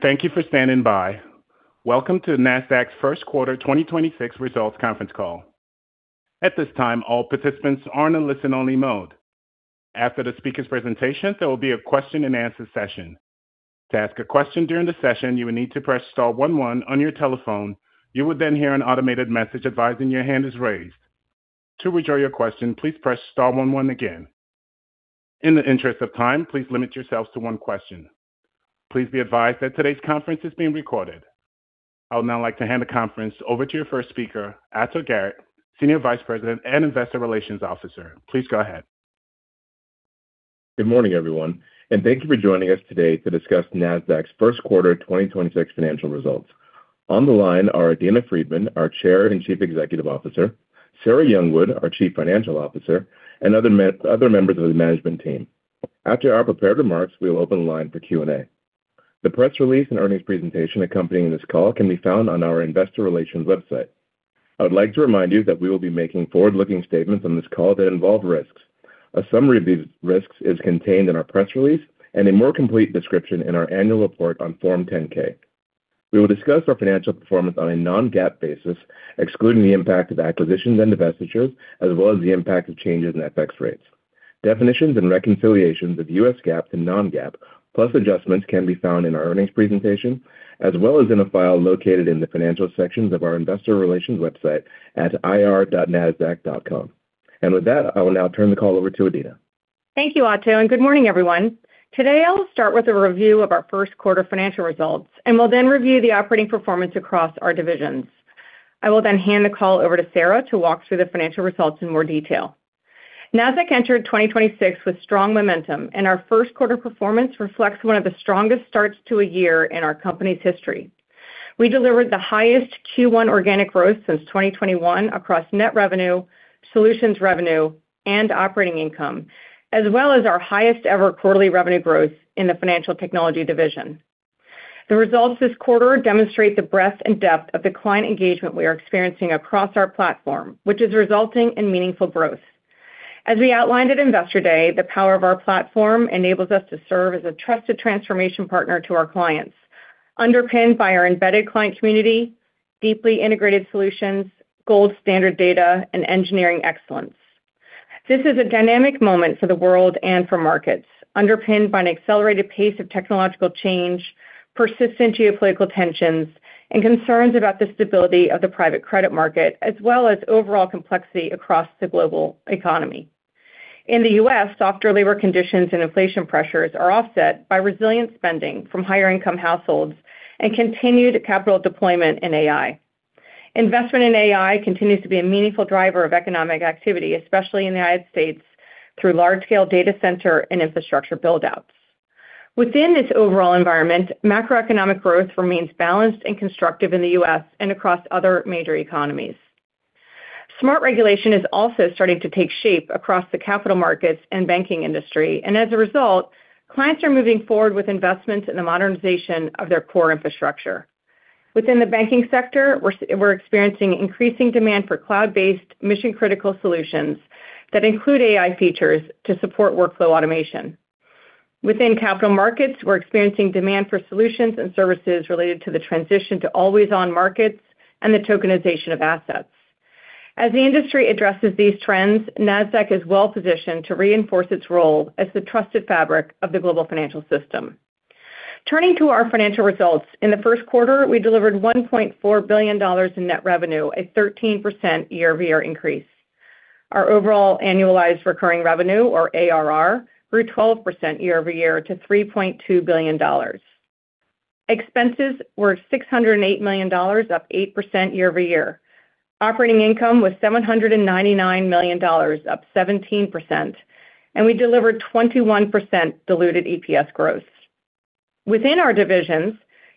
Thank you for standing by. Welcome to Nasdaq's First Quarter 2026 Results Conference Call. At this time, all participants are in a listen-only mode. After the speakers' presentation, there will be a question and answer session. To ask a question during the session, you will need to press star one one on your telephone. You will then hear an automated message advising your hand is raised. To withdraw your question, please press star one one again. In the interest of time, please limit yourselves to one question. Please be advised that today's conference is being recorded. I would now like to hand the conference over to your first speaker, Ato Garrett, Senior Vice President and Investor Relations Officer. Please go ahead. Good morning, everyone, and thank you for joining us today to discuss Nasdaq's first quarter 2026 financial results. On the line are Adena Friedman, our Chair and Chief Executive Officer, Sarah Youngwood, our Chief Financial Officer, and other members of the management team. After our prepared remarks, we will open the line for Q&A. The press release and earnings presentation accompanying this call can be found on our investor relations website. I would like to remind you that we will be making forward-looking statements on this call that involve risks. A summary of these risks is contained in our press release and a more complete description in our annual report on Form 10-K. We will discuss our financial performance on a non-GAAP basis, excluding the impact of acquisitions and divestitures, as well as the impact of changes in FX rates. Definitions and reconciliations of U.S. GAAP to non-GAAP, plus adjustments can be found in our earnings presentation, as well as in a file located in the financial sections of our investor relations website at ir.nasdaq.com. With that, I will now turn the call over to Adena. Thank you, Ato, and good morning, everyone. Today, I'll start with a review of our first quarter financial results, and will then review the operating performance across our divisions. I will then hand the call over to Sarah to walk through the financial results in more detail. Nasdaq entered 2026 with strong momentum, and our first quarter performance reflects one of the strongest starts to a year in our company's history. We delivered the highest Q1 organic growth since 2021 across net revenue, solutions revenue, and operating income, as well as our highest-ever quarterly revenue growth in the Financial Technology division. The results this quarter demonstrate the breadth and depth of the client engagement we are experiencing across our platform, which is resulting in meaningful growth. As we outlined at Investor Day, the power of our platform enables us to serve as a trusted transformation partner to our clients, underpinned by our embedded client community, deeply integrated solutions, gold standard data, and engineering excellence. This is a dynamic moment for the world and for markets, underpinned by an accelerated pace of technological change, persistent geopolitical tensions, and concerns about the stability of the private credit market, as well as overall complexity across the global economy. In the U.S., softer labor conditions and inflation pressures are offset by resilient spending from higher income households and continued capital deployment in AI. Investment in AI continues to be a meaningful driver of economic activity, especially in the United States, through large-scale data center and infrastructure buildouts. Within this overall environment, macroeconomic growth remains balanced and constructive in the U.S. and across other major economies. Smart regulation is also starting to take shape across the capital markets and banking industry, and as a result, clients are moving forward with investments in the modernization of their core infrastructure. Within the banking sector, we're experiencing increasing demand for cloud-based mission critical solutions that include AI features to support workflow automation. Within capital markets, we're experiencing demand for solutions and services related to the transition to always-on markets and the tokenization of assets. As the industry addresses these trends, Nasdaq is well-positioned to reinforce its role as the trusted fabric of the global financial system. Turning to our financial results, in the first quarter, we delivered $1.4 billion in net revenue, a 13% year-over-year increase. Our overall annualized recurring revenue, or ARR, grew 12% year-over-year to $3.2 billion. Expenses were $608 million, up 8% year-over-year. Operating income was $799 million, up 17%, and we delivered 21% diluted EPS growth. Within our divisions,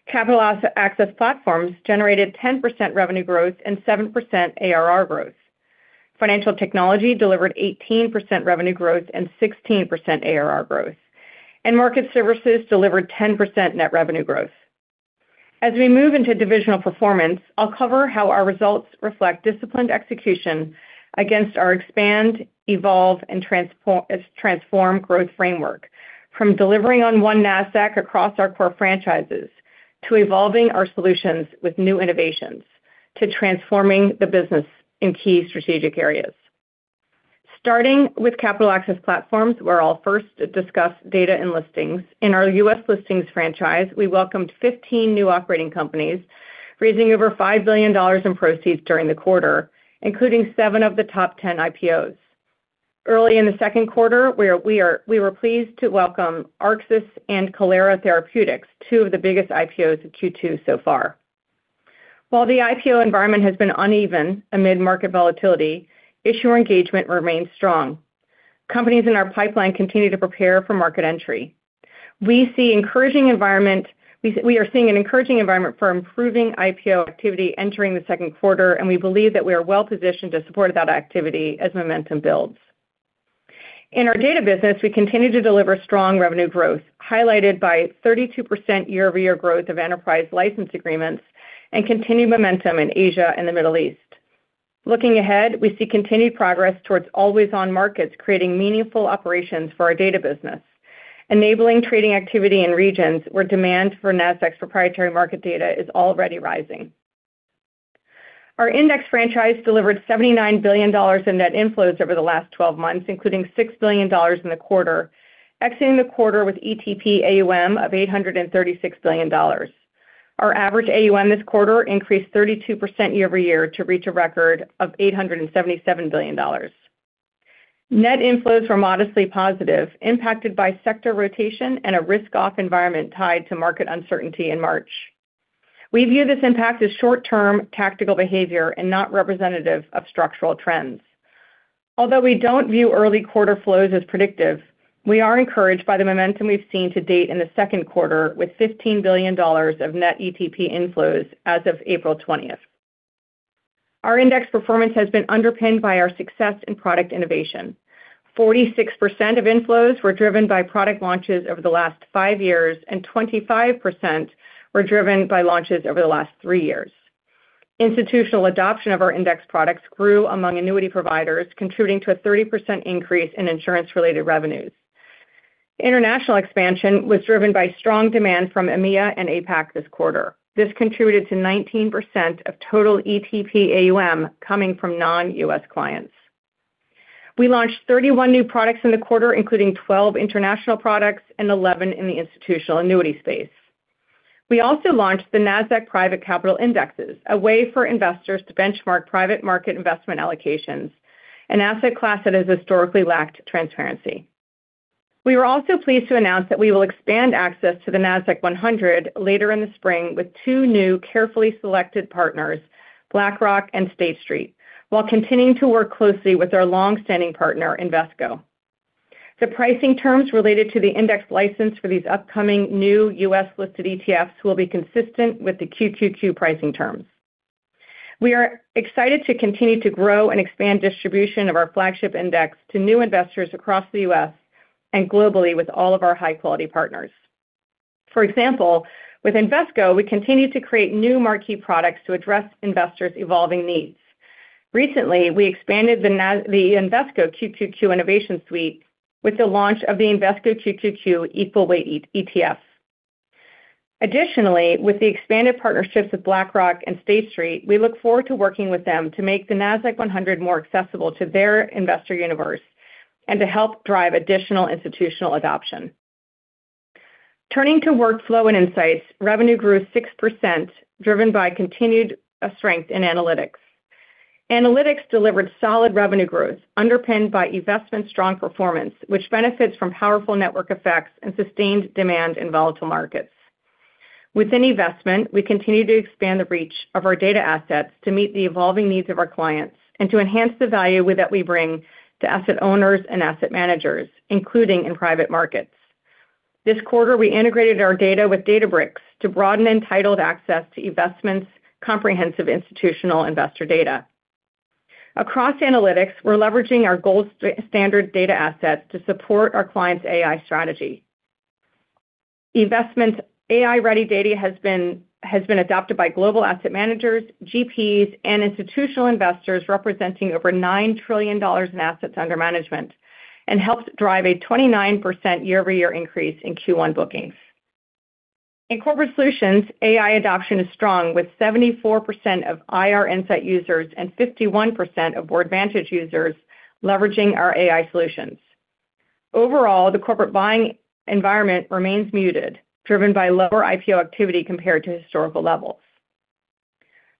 Capital Access Platforms generated 10% revenue growth and 7% ARR growth. Financial Technology delivered 18% revenue growth and 16% ARR growth, and Market Services delivered 10% net revenue growth. As we move into divisional performance, I'll cover how our results reflect disciplined execution against our expand, evolve, and transform growth framework from delivering on One Nasdaq across our core franchises, to evolving our solutions with new innovations, to transforming the business in key strategic areas. Starting with Capital Access Platforms, where I'll first discuss data and listings. In our U.S. listings franchise, we welcomed 15 new operating companies, raising over $5 billion in proceeds during the quarter, including seven of the top 10 IPOs. Early in the second quarter, we were pleased to welcome Arxis and Kailera Therapeutics, two of the biggest IPOs of Q2 so far. While the IPO environment has been uneven amid market volatility, issuer engagement remains strong. Companies in our pipeline continue to prepare for market entry. We are seeing an encouraging environment for improving IPO activity entering the second quarter, and we believe that we are well-positioned to support that activity as momentum builds. In our data business, we continue to deliver strong revenue growth, highlighted by 32% year-over-year growth of enterprise license agreements and continued momentum in Asia and the Middle East. Looking ahead, we see continued progress towards always-on markets, creating meaningful operations for our data business, enabling trading activity in regions where demand for Nasdaq's proprietary market data is already rising. Our index franchise delivered $79 billion in net inflows over the last 12 months, including $6 billion in the quarter, exiting the quarter with ETP AUM of $836 billion. Our average AUM this quarter increased 32% year-over-year to reach a record of $877 billion. Net inflows were modestly positive, impacted by sector rotation and a risk-off environment tied to market uncertainty in March. We view this impact as short-term tactical behavior and not representative of structural trends. Although we don't view early quarter flows as predictive, we are encouraged by the momentum we've seen to date in the second quarter, with $15 billion of net ETP inflows as of April 20th. Our index performance has been underpinned by our success in product innovation. 46% of inflows were driven by product launches over the last five years, and 25% were driven by launches over the last three years. Institutional adoption of our index products grew among annuity providers, contributing to a 30% increase in insurance-related revenues. International expansion was driven by strong demand from EMEA and APAC this quarter. This contributed to 19% of total ETP AUM coming from non-U.S. clients. We launched 31 new products in the quarter, including 12 international products and 11 in the institutional annuity space. We also launched the Nasdaq Private Capital Indexes, a way for investors to benchmark private market investment allocations, an asset class that has historically lacked transparency. We were also pleased to announce that we will expand access to the Nasdaq-100 later in the spring with two new carefully selected partners, BlackRock and State Street, while continuing to work closely with our long-standing partner, Invesco. The pricing terms related to the index license for these upcoming new U.S.-listed ETFs will be consistent with the QQQ pricing terms. We are excited to continue to grow and expand distribution of our flagship index to new investors across the U.S. and globally with all of our high-quality partners. For example, with Invesco, we continue to create new marquee products to address investors' evolving needs. Recently, we expanded the Invesco QQQ Innovation Suite with the launch of the Invesco QQQ Equal Weight ETF. Additionally, with the expanded partnerships with BlackRock and State Street, we look forward to working with them to make the Nasdaq-100 more accessible to their investor universe and to help drive additional institutional adoption. Turning to workflow and insights, revenue grew 6%, driven by continued strength in analytics. Analytics delivered solid revenue growth underpinned by eVestment's strong performance, which benefits from powerful network effects and sustained demand in volatile markets. Within eVestment, we continue to expand the reach of our data assets to meet the evolving needs of our clients and to enhance the value that we bring to asset owners and asset managers, including in private markets. This quarter, we integrated our data with Databricks to broaden entitled access to eVestment's comprehensive institutional investor data. Across analytics, we're leveraging our gold standard data assets to support our client's AI strategy. eVestment's AI-ready data has been adopted by global asset managers, GPs, and institutional investors, representing over $9 trillion in assets under management, and helps drive a 29% year-over-year increase in Q1 bookings. In Corporate Solutions, AI adoption is strong, with 74% of IR Insight users and 51% of Boardvantage users leveraging our AI solutions. Overall, the corporate buying environment remains muted, driven by lower IPO activity compared to historical levels.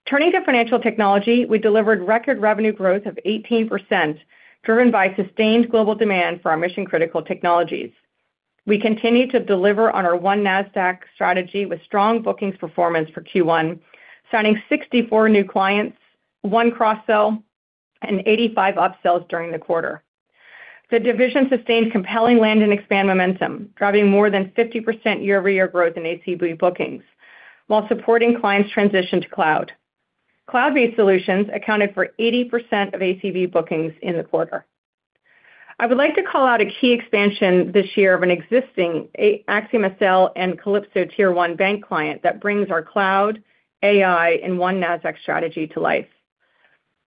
Turning to Financial Technology, we delivered record revenue growth of 18%, driven by sustained global demand for our mission-critical technologies. We continue to deliver on our One Nasdaq strategy with strong bookings performance for Q1, signing 64 new clients, one cross-sell, and 85 up-sells during the quarter. The division sustained compelling land and expand momentum, driving more than 50% year-over-year growth in ACV bookings while supporting clients' transition to cloud. Cloud-based solutions accounted for 80% of ACV bookings in the quarter. I would like to call out a key expansion this year of an existing AxiomSL and Calypso Tier 1 bank client that brings our cloud, AI, and One Nasdaq strategy to life.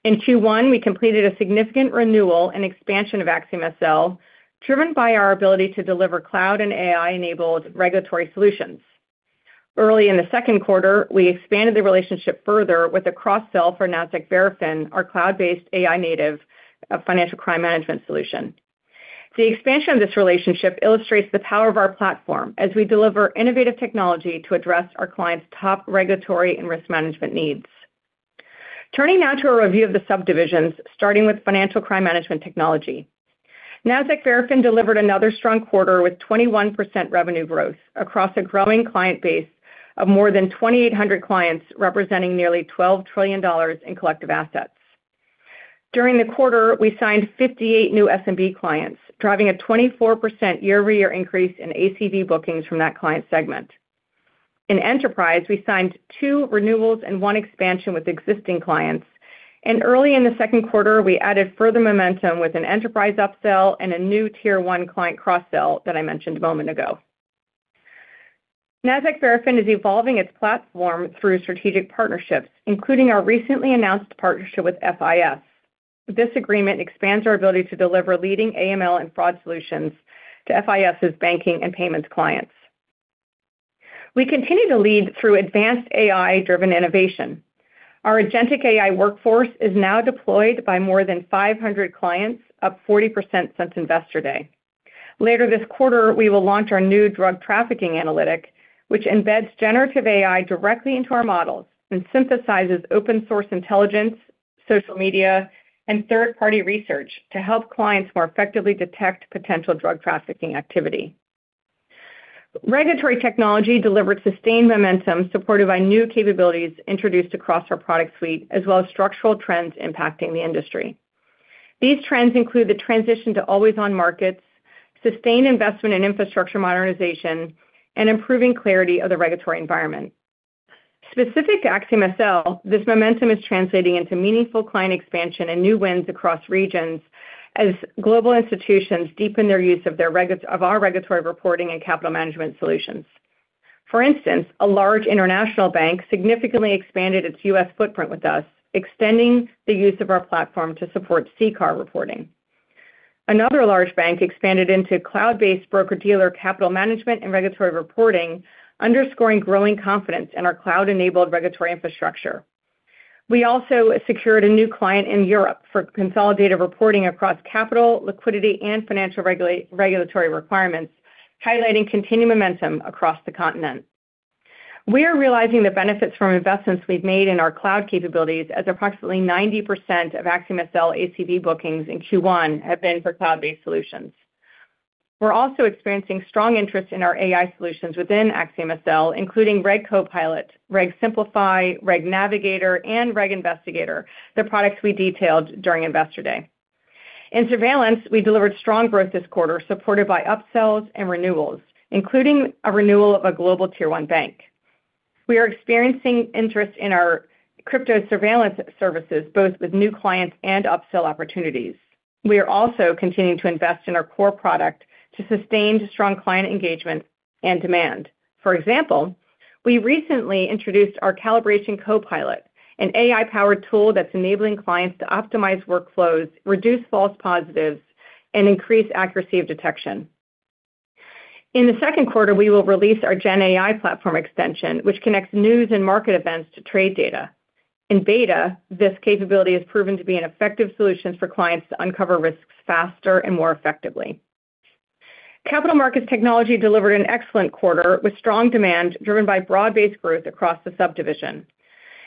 In Q1, we completed a significant renewal and expansion of AxiomSL, driven by our ability to deliver cloud and AI-enabled regulatory solutions. Early in the second quarter, we expanded the relationship further with a cross-sell for Nasdaq Verafin, our cloud-based, AI-native financial crime management solution. The expansion of this relationship illustrates the power of our platform as we deliver innovative technology to address our clients' top regulatory and risk management needs. Turning now to a review of the subdivisions, starting with financial crime management technology. Nasdaq Verafin delivered another strong quarter with 21% revenue growth across a growing client base of more than 2,800 clients, representing nearly $12 trillion in collective assets. During the quarter, we signed 58 new SMB clients, driving a 24% year-over-year increase in ACV bookings from that client segment. In Enterprise, we signed two renewals and one expansion with existing clients, and early in the second quarter, we added further momentum with an Enterprise up-sell and a new Tier 1 client cross-sell that I mentioned a moment ago. Nasdaq Verafin is evolving its platform through strategic partnerships, including our recently announced partnership with FIS. This agreement expands our ability to deliver leading AML and fraud solutions to FIS's banking and payments clients. We continue to lead through advanced AI-driven innovation. Our agentic AI workforce is now deployed by more than 500 clients, up 40% since Investor Day. Later this quarter, we will launch our new drug trafficking analytic, which embeds generative AI directly into our models and synthesizes open-source intelligence, social media, and third-party research to help clients more effectively detect potential drug trafficking activity. Regulatory technology delivered sustained momentum supported by new capabilities introduced across our product suite, as well as structural trends impacting the industry. These trends include the transition to always-on markets, sustained investment in infrastructure modernization, and improving clarity of the regulatory environment. Specific to AxiomSL, this momentum is translating into meaningful client expansion and new wins across regions as global institutions deepen their use of our regulatory reporting and capital management solutions. For instance, a large international bank significantly expanded its U.S. footprint with us, extending the use of our platform to support CCAR reporting. Another large bank expanded into cloud-based broker-dealer capital management and regulatory reporting, underscoring growing confidence in our cloud-enabled regulatory infrastructure. We also secured a new client in Europe for consolidated reporting across capital, liquidity, and financial regulatory requirements, highlighting continued momentum across the continent. We are realizing the benefits from investments we've made in our cloud capabilities, as approximately 90% of AxiomSL ACV bookings in Q1 have been for cloud-based solutions. We're also experiencing strong interest in our AI solutions within AxiomSL, including Reg Copilot, Reg Simplify, Reg Navigator, and Reg Investigator, the products we detailed during Investor Day. In surveillance, we delivered strong growth this quarter supported by upsells and renewals, including a renewal of a global tier-one bank. We are experiencing interest in our crypto surveillance services, both with new clients and upsell opportunities. We are also continuing to invest in our core product to sustain strong client engagement and demand. For example, we recently introduced our Calibration Copilot, an AI-powered tool that's enabling clients to optimize workflows, reduce false positives, and increase accuracy of detection. In the second quarter, we will release our GenAI platform extension, which connects news and market events to trade data. In beta, this capability has proven to be an effective solution for clients to uncover risks faster and more effectively. Capital Markets Technology delivered an excellent quarter with strong demand driven by broad-based growth across the subdivisions.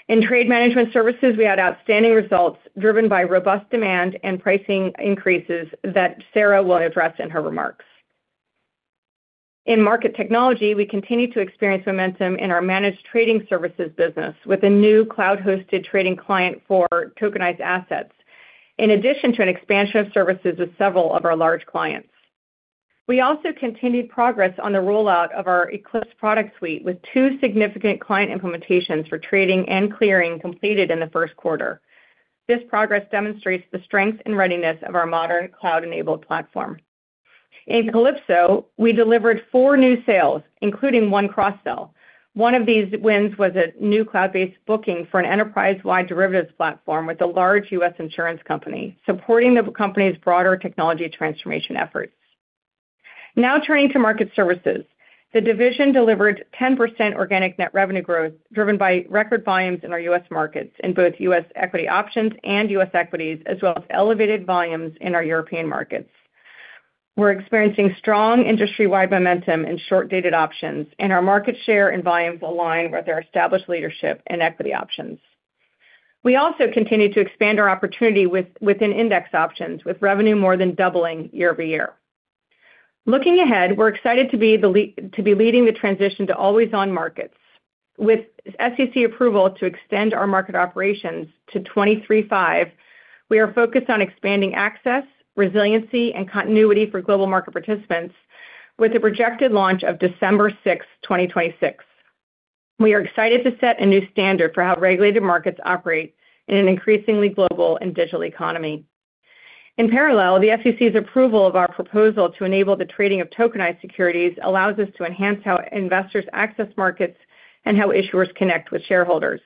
In Trade Management Services, we had outstanding results driven by robust demand and pricing increases that Sarah will address in her remarks. In Market Technology, we continue to experience momentum in our managed trading services business with a new cloud-hosted trading client for tokenized assets, in addition to an expansion of services with several of our large clients. We also continued progress on the rollout of our Eqlipse product suite, with two significant client implementations for trading and clearing completed in the first quarter. This progress demonstrates the strength and readiness of our modern cloud-enabled platform. In Calypso, we delivered four new sales, including one cross-sell. One of these wins was a new cloud-based booking for an enterprise-wide derivatives platform with a large U.S. insurance company, supporting the company's broader technology transformation efforts. Now turning to Market Services. The division delivered 10% organic net revenue growth, driven by record volumes in our U.S. markets in both U.S. equity options and U.S. equities, as well as elevated volumes in our European markets. We're experiencing strong industry-wide momentum in short-dated options, and our market share and volumes align with our established leadership in equity options. We also continue to expand our opportunity within index options, with revenue more than doubling year-over-year. Looking ahead, we're excited to be leading the transition to always-on markets. With SEC approval to extend our market operations to 23/5, we are focused on expanding access, resiliency, and continuity for global market participants with a projected launch of December 6, 2026. We are excited to set a new standard for how regulated markets operate in an increasingly global and digital economy. In parallel, the SEC's approval of our proposal to enable the trading of tokenized securities allows us to enhance how investors access markets and how issuers connect with shareholders.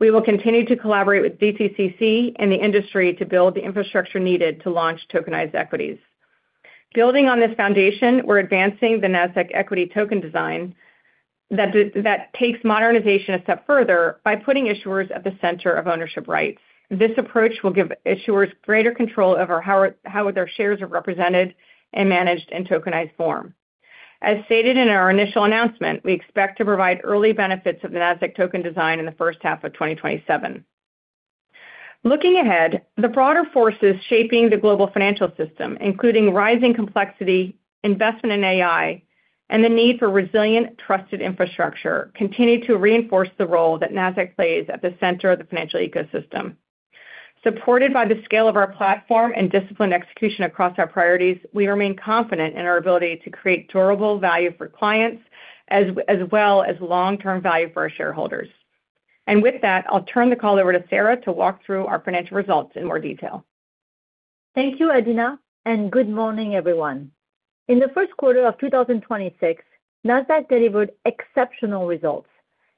We will continue to collaborate with DTCC and the industry to build the infrastructure needed to launch tokenized equities. Building on this foundation, we're advancing the Nasdaq equity token design that takes modernization a step further by putting issuers at the center of ownership rights. This approach will give issuers greater control over how their shares are represented and managed in tokenized form. As stated in our initial announcement, we expect to provide early benefits of the Nasdaq token design in the first half of 2027. Looking ahead, the broader forces shaping the global financial system, including rising complexity, investment in AI, and the need for resilient, trusted infrastructure, continue to reinforce the role that Nasdaq plays at the center of the financial ecosystem. Supported by the scale of our platform and disciplined execution across our priorities, we remain confident in our ability to create durable value for clients as well as long-term value for our shareholders. With that, I'll turn the call over to Sarah to walk through our financial results in more detail. Thank you, Adena, and good morning, everyone. In the first quarter of 2026, Nasdaq delivered exceptional results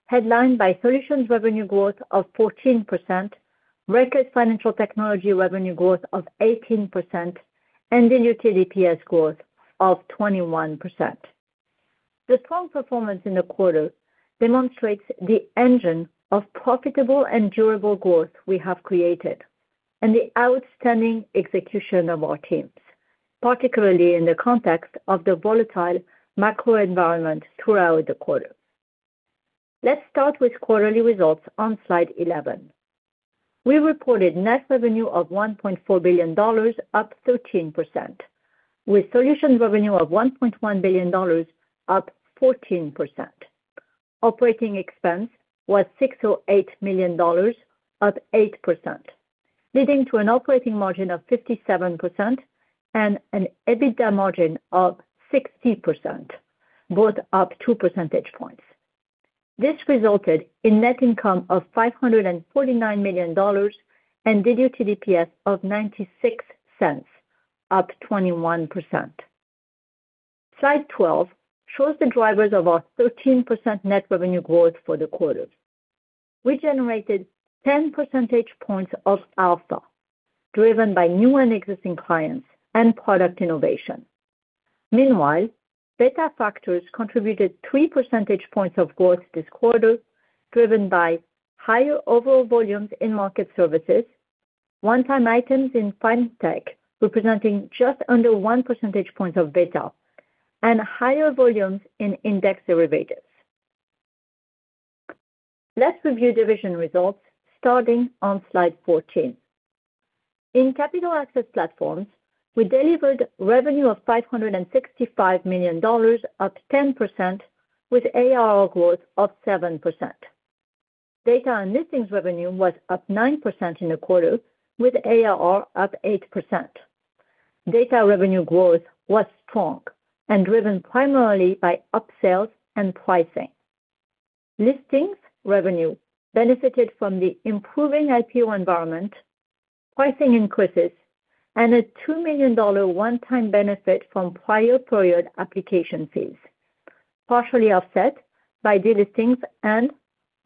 headlined by solutions revenue growth of 14%, record Financial Technology revenue growth of 18%, and diluted EPS growth of 21%. The strong performance in the quarter demonstrates the engine of profitable and durable growth we have created and the outstanding execution of our teams, particularly in the context of the volatile macro environment throughout the quarter. Let's start with quarterly results on slide 11. We reported net revenue of $1.4 billion, up 13%, with solutions revenue of $1.1 billion, up 14%. Operating expense was $608 million, up 8%, leading to an operating margin of 57% and an EBITDA margin of 60%, both up 2 percentage points. This resulted in net income of $549 million and diluted EPS of $0.96, up 21%. Slide 12 shows the drivers of our 13% net revenue growth for the quarter. We generated 10 percentage points of alpha, driven by new and existing clients and product innovation. Meanwhile, beta factors contributed 3 percentage points of growth this quarter, driven by higher overall volumes in Market Services, one-time items in FinTech, representing just under 1 percentage point of beta, and higher volumes in index derivatives. Let's review division results starting on slide 14. In Capital Access Platforms, we delivered revenue of $565 million, up 10%, with ARR growth of 7%. Data and Listings revenue was up 9% in the quarter, with ARR up 8%. Data revenue growth was strong and driven primarily by upsells and pricing. Listings revenue benefited from the improving IPO environment, pricing increases, and a $2 million one-time benefit from prior period application fees, partially offset by delistings and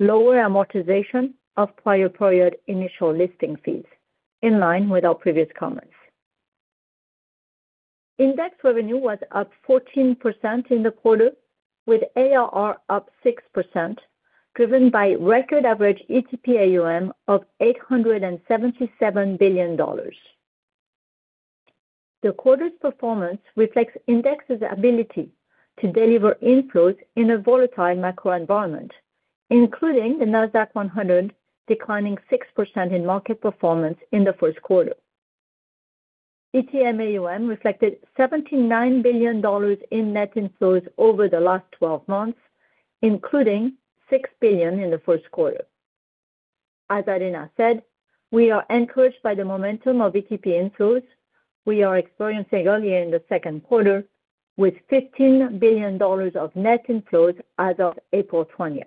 lower amortization of prior period initial listing fees, in line with our previous comments. Index revenue was up 14% in the quarter, with ARR up 6%, driven by record average ETP AUM of $877 billion. The quarter's performance reflects Index's ability to deliver inflows in a volatile macro environment, including the Nasdaq-100 declining 6% in market performance in the first quarter. ETP AUM reflected $79 billion in net inflows over the last 12 months, including $6 billion in the first quarter. As Adena said, we are encouraged by the momentum of ETP inflows we are experiencing early in the second quarter, with $15 billion of net inflows as of April 20th.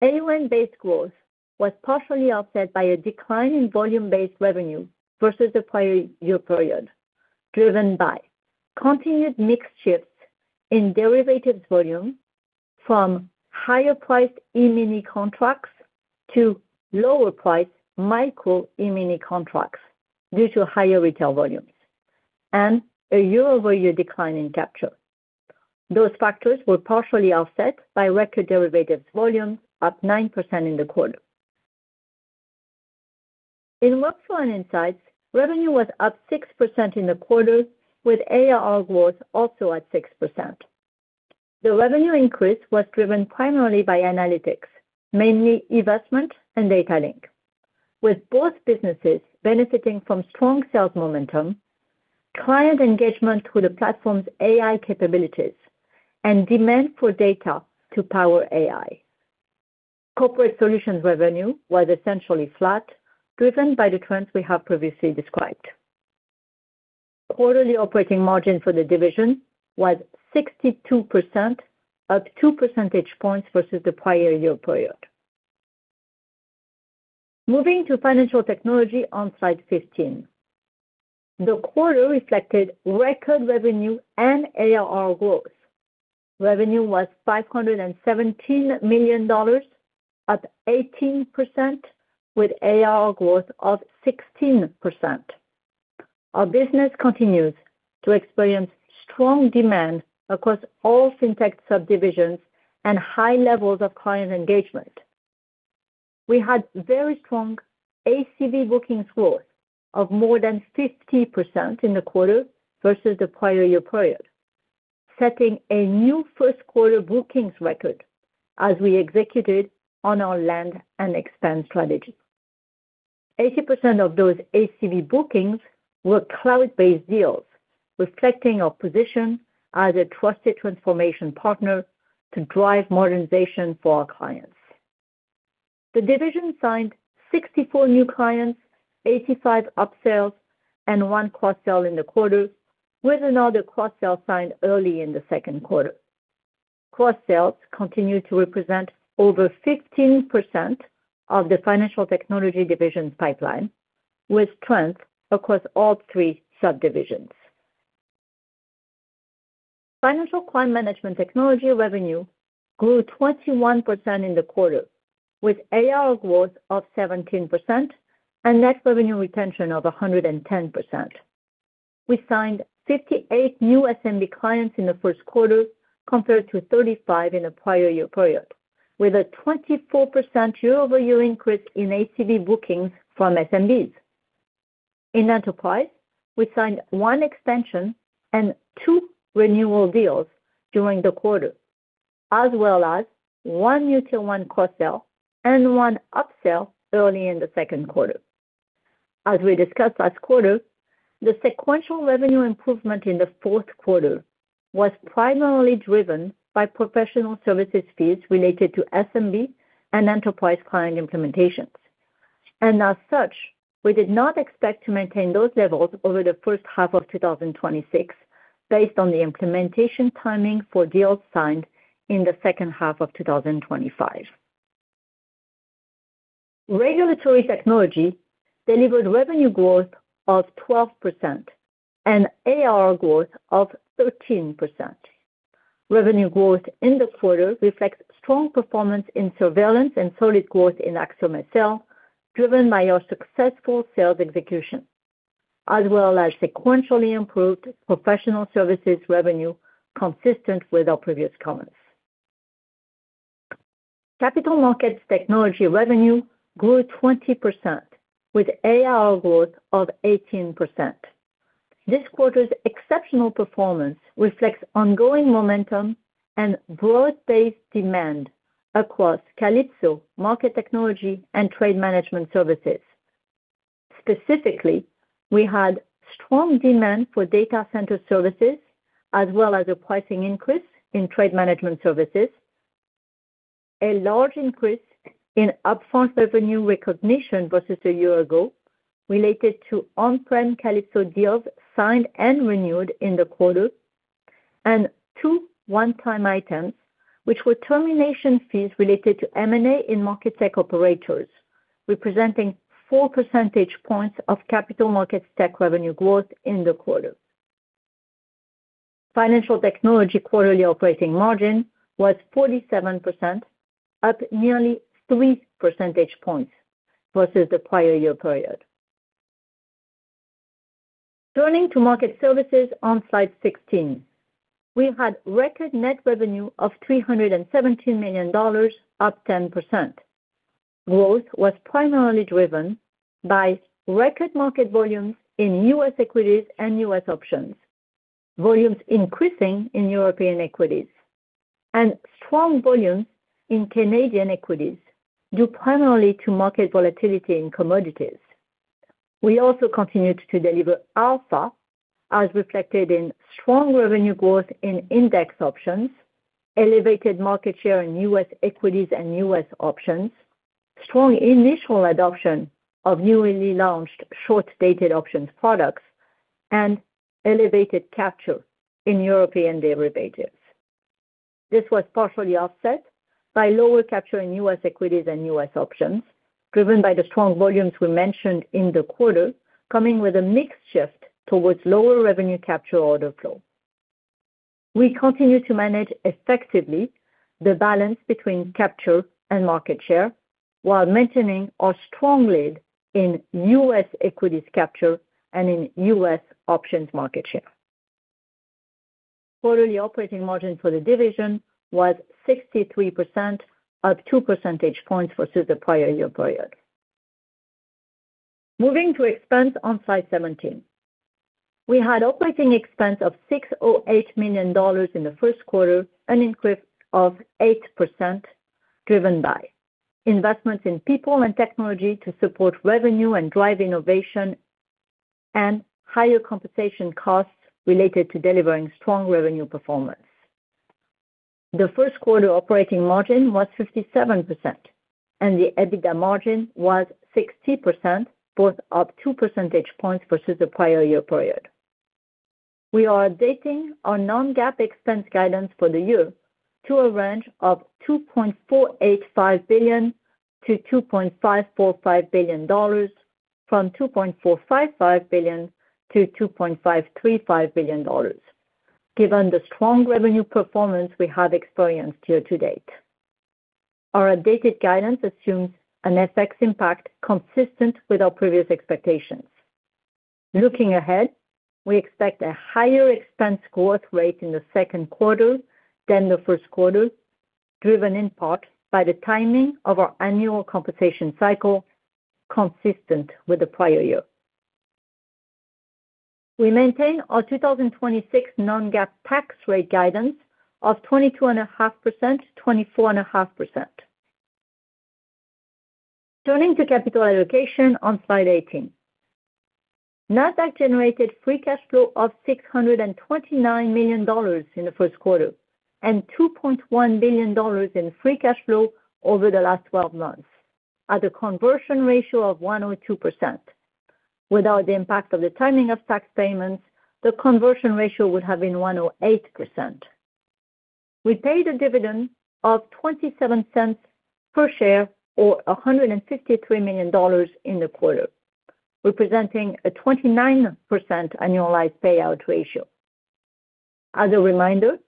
AUM-based growth was partially offset by a decline in volume-based revenue versus the prior year period, driven by continued mix shifts in derivatives volume from higher priced E-mini contracts to lower priced Micro E-mini contracts due to higher retail volumes, and a year-over-year decline in capture. Those factors were partially offset by record derivatives volume up 9% in the quarter. In workflow and insights, revenue was up 6% in the quarter, with ARR growth also at 6%. The revenue increase was driven primarily by analytics, mainly investment and data link, with both businesses benefiting from strong sales momentum, client engagement through the platform's AI capabilities, and demand for data to power AI. Corporate solutions revenue was essentially flat, driven by the trends we have previously described. Quarterly operating margin for the division was 62%, up 2 percentage points versus the prior year period. Moving to Financial Technology on slide 15. The quarter reflected record revenue and ARR growth. Revenue was $517 million, up 18%, with ARR growth of 16%. Our business continues to experience strong demand across all FinTech subdivisions and high levels of client engagement. We had very strong ACV bookings growth of more than 50% in the quarter versus the prior year period, setting a new first-quarter bookings record as we executed on our land and expand strategy. 80% of those ACV bookings were cloud-based deals, reflecting our position as a trusted transformation partner to drive modernization for our clients. The division signed 64 new clients, 85 upsells, and one cross-sell in the quarter, with another cross-sell signed early in the second quarter. Cross-sales continue to represent over 15% of the Financial Technology division's pipeline, with strength across all three subdivisions. Financial crime management technology revenue grew 21% in the quarter, with ARR growth of 17% and net revenue retention of 110%. We signed 58 new SMB clients in the first quarter, compared to 35 in the prior year period, with a 24% year-over-year increase in ACV bookings from SMBs. In enterprise, we signed one extension and two renewal deals during the quarter, as well as one new Tier 1 cross-sell and one upsell early in the second quarter. As we discussed last quarter, the sequential revenue improvement in the fourth quarter was primarily driven by professional services fees related to SMB and enterprise client implementations. As such, we did not expect to maintain those levels over the first half of 2026, based on the implementation timing for deals signed in the second half of 2025. Regulatory technology delivered revenue growth of 12% and ARR growth of 13%. Revenue growth in the quarter reflects strong performance in surveillance and solid growth in AxiomSL, driven by our successful sales execution, as well as sequentially improved professional services revenue consistent with our previous comments. Capital Markets Technology revenue grew 20%, with ARR growth of 18%. This quarter's exceptional performance reflects ongoing momentum and broad-based demand across Calypso, Market Technology, and Trade Management Services. Specifically, we had strong demand for data center services, as well as a pricing increase in Trade Management Services, a large increase in upfront revenue recognition versus a year ago related to on-prem Calypso deals signed and renewed in the quarter, and two one-time items, which were termination fees related to M&A in market tech operators, representing 4 percentage points of capital markets tech revenue growth in the quarter. Financial Technology quarterly operating margin was 47%, up nearly 3 percentage points versus the prior year period. Turning to Market Services on slide 16. We had record net revenue of $317 million, up 10%. Growth was primarily driven by record market volumes in U.S. equities and U.S. options, volumes increasing in European equities, and strong volumes in Canadian equities, due primarily to market volatility in commodities. We also continued to deliver alpha, as reflected in strong revenue growth in index options, elevated market share in U.S. equities and U.S. options, strong initial adoption of newly launched short-dated options products, and elevated capture in European derivatives. This was partially offset by lower capture in U.S. equities and U.S. options, driven by the strong volumes we mentioned in the quarter, coming with a mixed shift towards lower revenue capture order flow. We continue to manage effectively the balance between capture and market share while maintaining our strong lead in U.S. equities capture and in U.S. options market share. Quarterly operating margin for the division was 63%, up 2 percentage points versus the prior year period. Moving to expense on slide 17. We had operating expense of $608 million in the first quarter, an increase of 8% driven by investments in people and technology to support revenue and drive innovation, and higher compensation costs related to delivering strong revenue performance. The first quarter operating margin was 57%, and the EBITDA margin was 60%, both up 2 percentage points versus the prior year period. We are updating our non-GAAP expense guidance for the year to a range of $2.485 billion-$2.545 billion, from $2.455 billion-$2.535 billion, given the strong revenue performance we have experienced year to date. Our updated guidance assumes an FX impact consistent with our previous expectations. Looking ahead, we expect a higher expense growth rate in the second quarter than the first quarter, driven in part by the timing of our annual compensation cycle, consistent with the prior year. We maintain our 2026 non-GAAP tax rate guidance of 22.5%-24.5%. Turning to capital allocation on slide 18. Nasdaq generated free cash flow of $629 million in the first quarter, and $2.1 billion in free cash flow over the last 12 months at a conversion ratio of 102%. Without the impact of the timing of tax payments, the conversion ratio would have been 108%. We paid a dividend of $0.27 per share, or $153 million in the quarter, representing a 29% annualized payout ratio. As a reminder,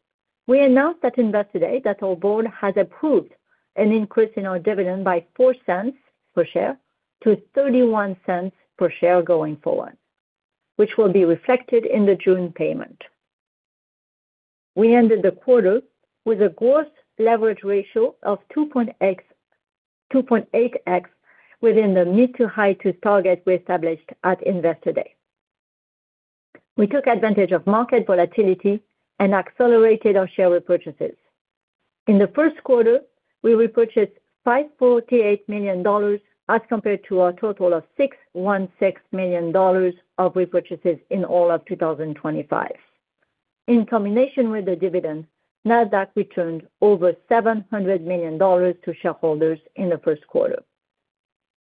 we announced at Investor Day that our board has approved an increase in our dividend by $0.04 per share to $0.31 per share going forward, which will be reflected in the June payment. We ended the quarter with a gross leverage ratio of 2.8x within the mid to high 2x target we established at Investor Day. We took advantage of market volatility and accelerated our share repurchases. In the first quarter, we repurchased $548 million as compared to a total of $616 million of repurchases in all of 2025. In combination with the dividend, Nasdaq returned over $700 million to shareholders in the first quarter.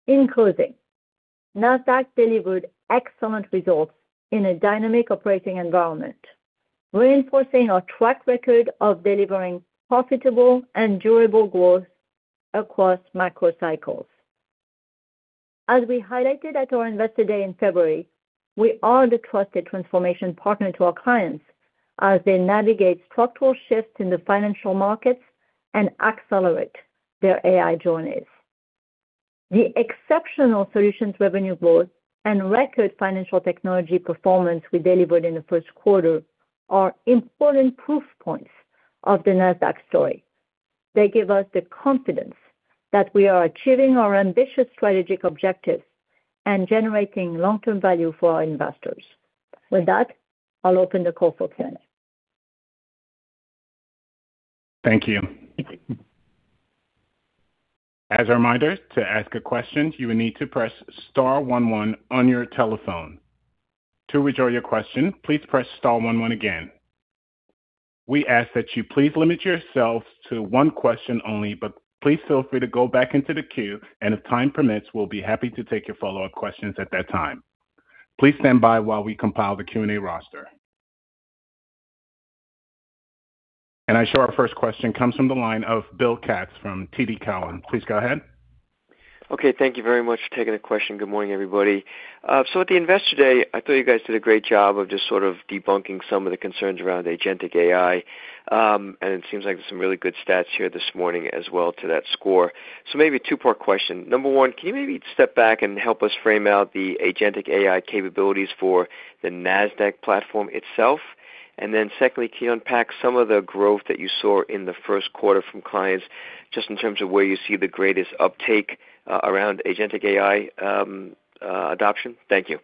In closing, Nasdaq delivered excellent results in a dynamic operating environment, reinforcing our track record of delivering profitable and durable growth across macro cycles. As we highlighted at our Investor Day in February, we are the trusted transformation partner to our clients as they navigate structural shifts in the financial markets and accelerate their AI journeys. The exceptional solutions revenue growth and record Financial Technology performance we delivered in the first quarter are important proof points of the Nasdaq story. They give us the confidence that we are achieving our ambitious strategic objectives and generating long-term value for our investors. With that, I'll open the call for Q&A. Thank you. As a reminder, to ask a question, you will need to press star one one on your telephone. To withdraw your question, please press star one one again. We ask that you please limit yourself to one question only, but please feel free to go back into the queue, and if time permits, we'll be happy to take your follow-up questions at that time. Please stand by while we compile the Q&A roster. I show our first question comes from the line of Bill Katz from TD Cowen. Please go ahead. Okay, thank you very much for taking the question. Good morning, everybody. At the Investor Day, I thought you guys did a great job of just sort of debunking some of the concerns around agentic AI. It seems like there's some really good stats here this morning as well to that score. Maybe a two-part question. Number one, can you maybe step back and help us frame out the agentic AI capabilities for the Nasdaq platform itself? Then secondly, can you unpack some of the growth that you saw in the first quarter from clients, just in terms of where you see the greatest uptake around agentic AI adoption? Thank you.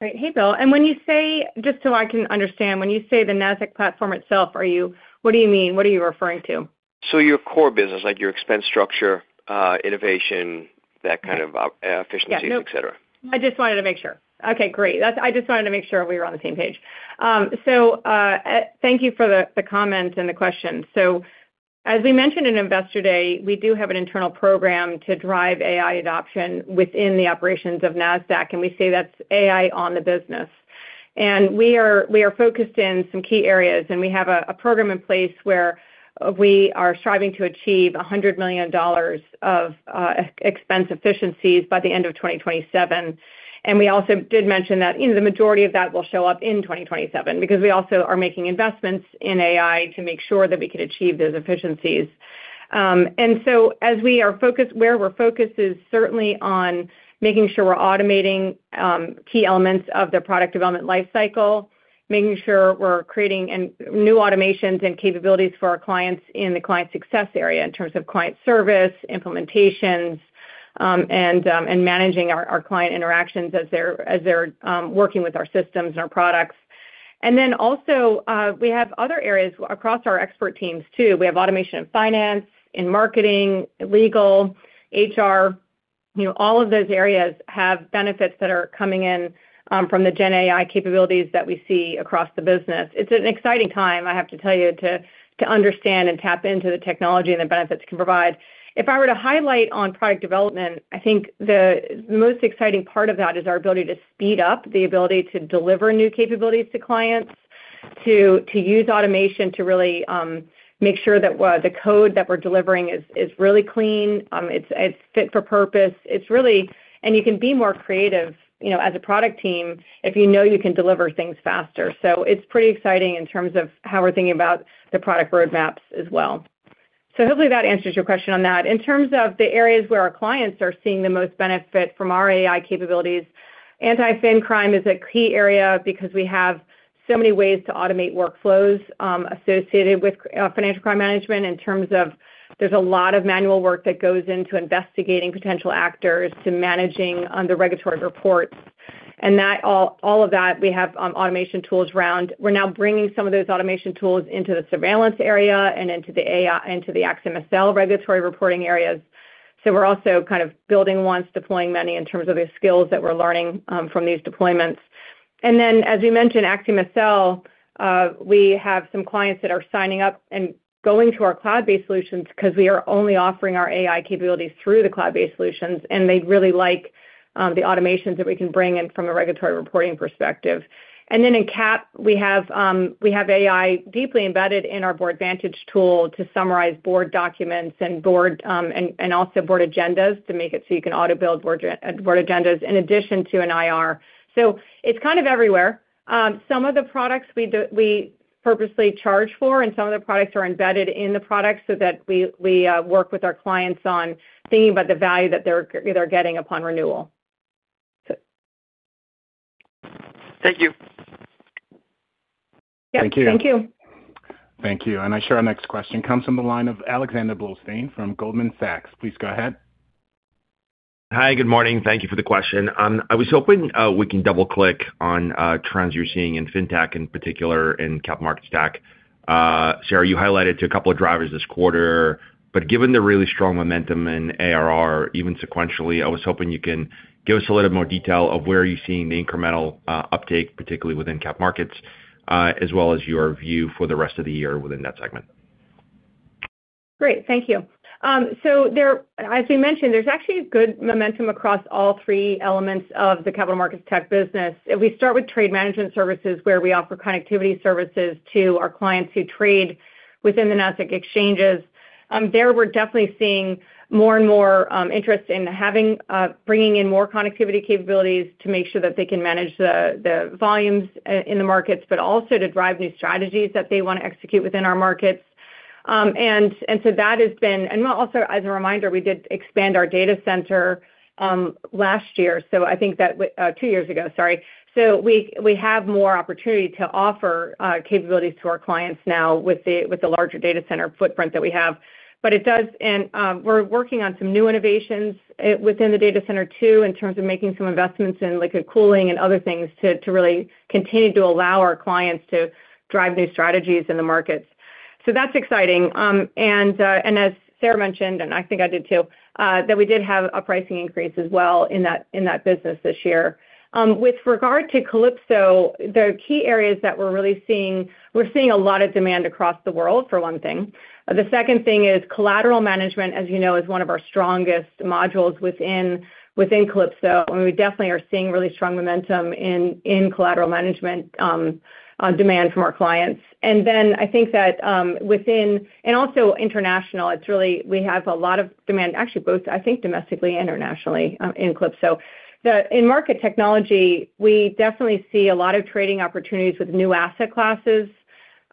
Right. Hey, Bill. When you say, just so I can understand, when you say the Nasdaq platform itself, what do you mean? What are you referring to? Your core business, like your expense structure, innovation, that kind of efficiencies, et cetera. I just wanted to make sure. Okay, great. I just wanted to make sure we were on the same page. Thank you for the comment and the question. As we mentioned in Investor Day, we do have an internal program to drive AI adoption within the operations of Nasdaq, and we say that's AI on the business. We are focused in some key areas, and we have a program in place where we are striving to achieve $100 million of expense efficiencies by the end of 2027. We also did mention that the majority of that will show up in 2027 because we also are making investments in AI to make sure that we can achieve those efficiencies. Where we're focused is certainly on making sure we're automating key elements of the product development life cycle, making sure we're creating new automations and capabilities for our clients in the client success area in terms of client service, implementations, and managing our client interactions as they're working with our systems and our products. We have other areas across our expert teams too. We have automation in finance, in marketing, legal, HR. All of those areas have benefits that are coming in from the GenAI capabilities that we see across the business. It's an exciting time, I have to tell you, to understand and tap into the technology and the benefits it can provide. If I were to highlight on product development, I think the most exciting part of that is our ability to speed up the ability to deliver new capabilities to clients, to use automation to really make sure that the code that we're delivering is really clean, it's fit for purpose. You can be more creative as a product team if you know you can deliver things faster. It's pretty exciting in terms of how we're thinking about the product roadmaps as well. Hopefully that answers your question on that. In terms of the areas where our clients are seeing the most benefit from our AI capabilities, anti-financial crime is a key area because we have so many ways to automate workflows associated with financial crime management in terms of there's a lot of manual work that goes into investigating potential actors to managing the regulatory reports. All of that, we have automation tools around. We're now bringing some of those automation tools into the surveillance area and into the AxiomSL regulatory reporting areas. We're also kind of building once, deploying many in terms of the skills that we're learning from these deployments. As you mentioned, AxiomSL, we have some clients that are signing up and going to our cloud-based solutions because we are only offering our AI capabilities through the cloud-based solutions, and they really like the automations that we can bring in from a regulatory reporting perspective. In Cap, we have AI deeply embedded in our Boardvantage tool to summarize board documents and also board agendas to make it so you can auto-build board agendas in addition to an IR. It's kind of everywhere. Some of the products we purposely charge for, and some of the products are embedded in the product so that we work with our clients on thinking about the value that they're getting upon renewal. Thank you. Yep. Thank you. Thank you. I show our next question comes from the line of Alexander Blostein from Goldman Sachs. Please go ahead. Hi. Good morning. Thank you for the question. I was hoping we can double-click on trends you're seeing in FinTech, in particular in capital markets stack. Sarah, you highlighted a couple of drivers this quarter, but given the really strong momentum in ARR, even sequentially, I was hoping you can give us a little more detail of where you're seeing the incremental uptake, particularly within capital markets, as well as your view for the rest of the year within that segment. Great. Thank you. As we mentioned, there's actually a good momentum across all three elements of the capital markets tech business. If we start with Trade Management Services, where we offer connectivity services to our clients who trade within the Nasdaq exchanges, there we're definitely seeing more and more interest in bringing in more connectivity capabilities to make sure that they can manage the volumes in the markets, but also to drive new strategies that they want to execute within our markets. Also as a reminder, we did expand our data center two years ago, sorry. We have more opportunity to offer capabilities to our clients now with the larger data center footprint that we have. It does. We're working on some new innovations within the data center too, in terms of making some investments in liquid cooling and other things to really continue to allow our clients to drive new strategies in the markets. That's exciting. As Sarah mentioned, and I think I did too, that we did have a pricing increase as well in that business this year. With regard to Calypso, the key areas that we're really seeing, we're seeing a lot of demand across the world for one thing. The second thing is collateral management, as you know, is one of our strongest modules within Calypso, and we definitely are seeing really strong momentum in collateral management on demand from our clients. I think that within and also international, we have a lot of demand, actually both, I think, domestically and internationally in Calypso. In Market Technology, we definitely see a lot of trading opportunities with new asset classes,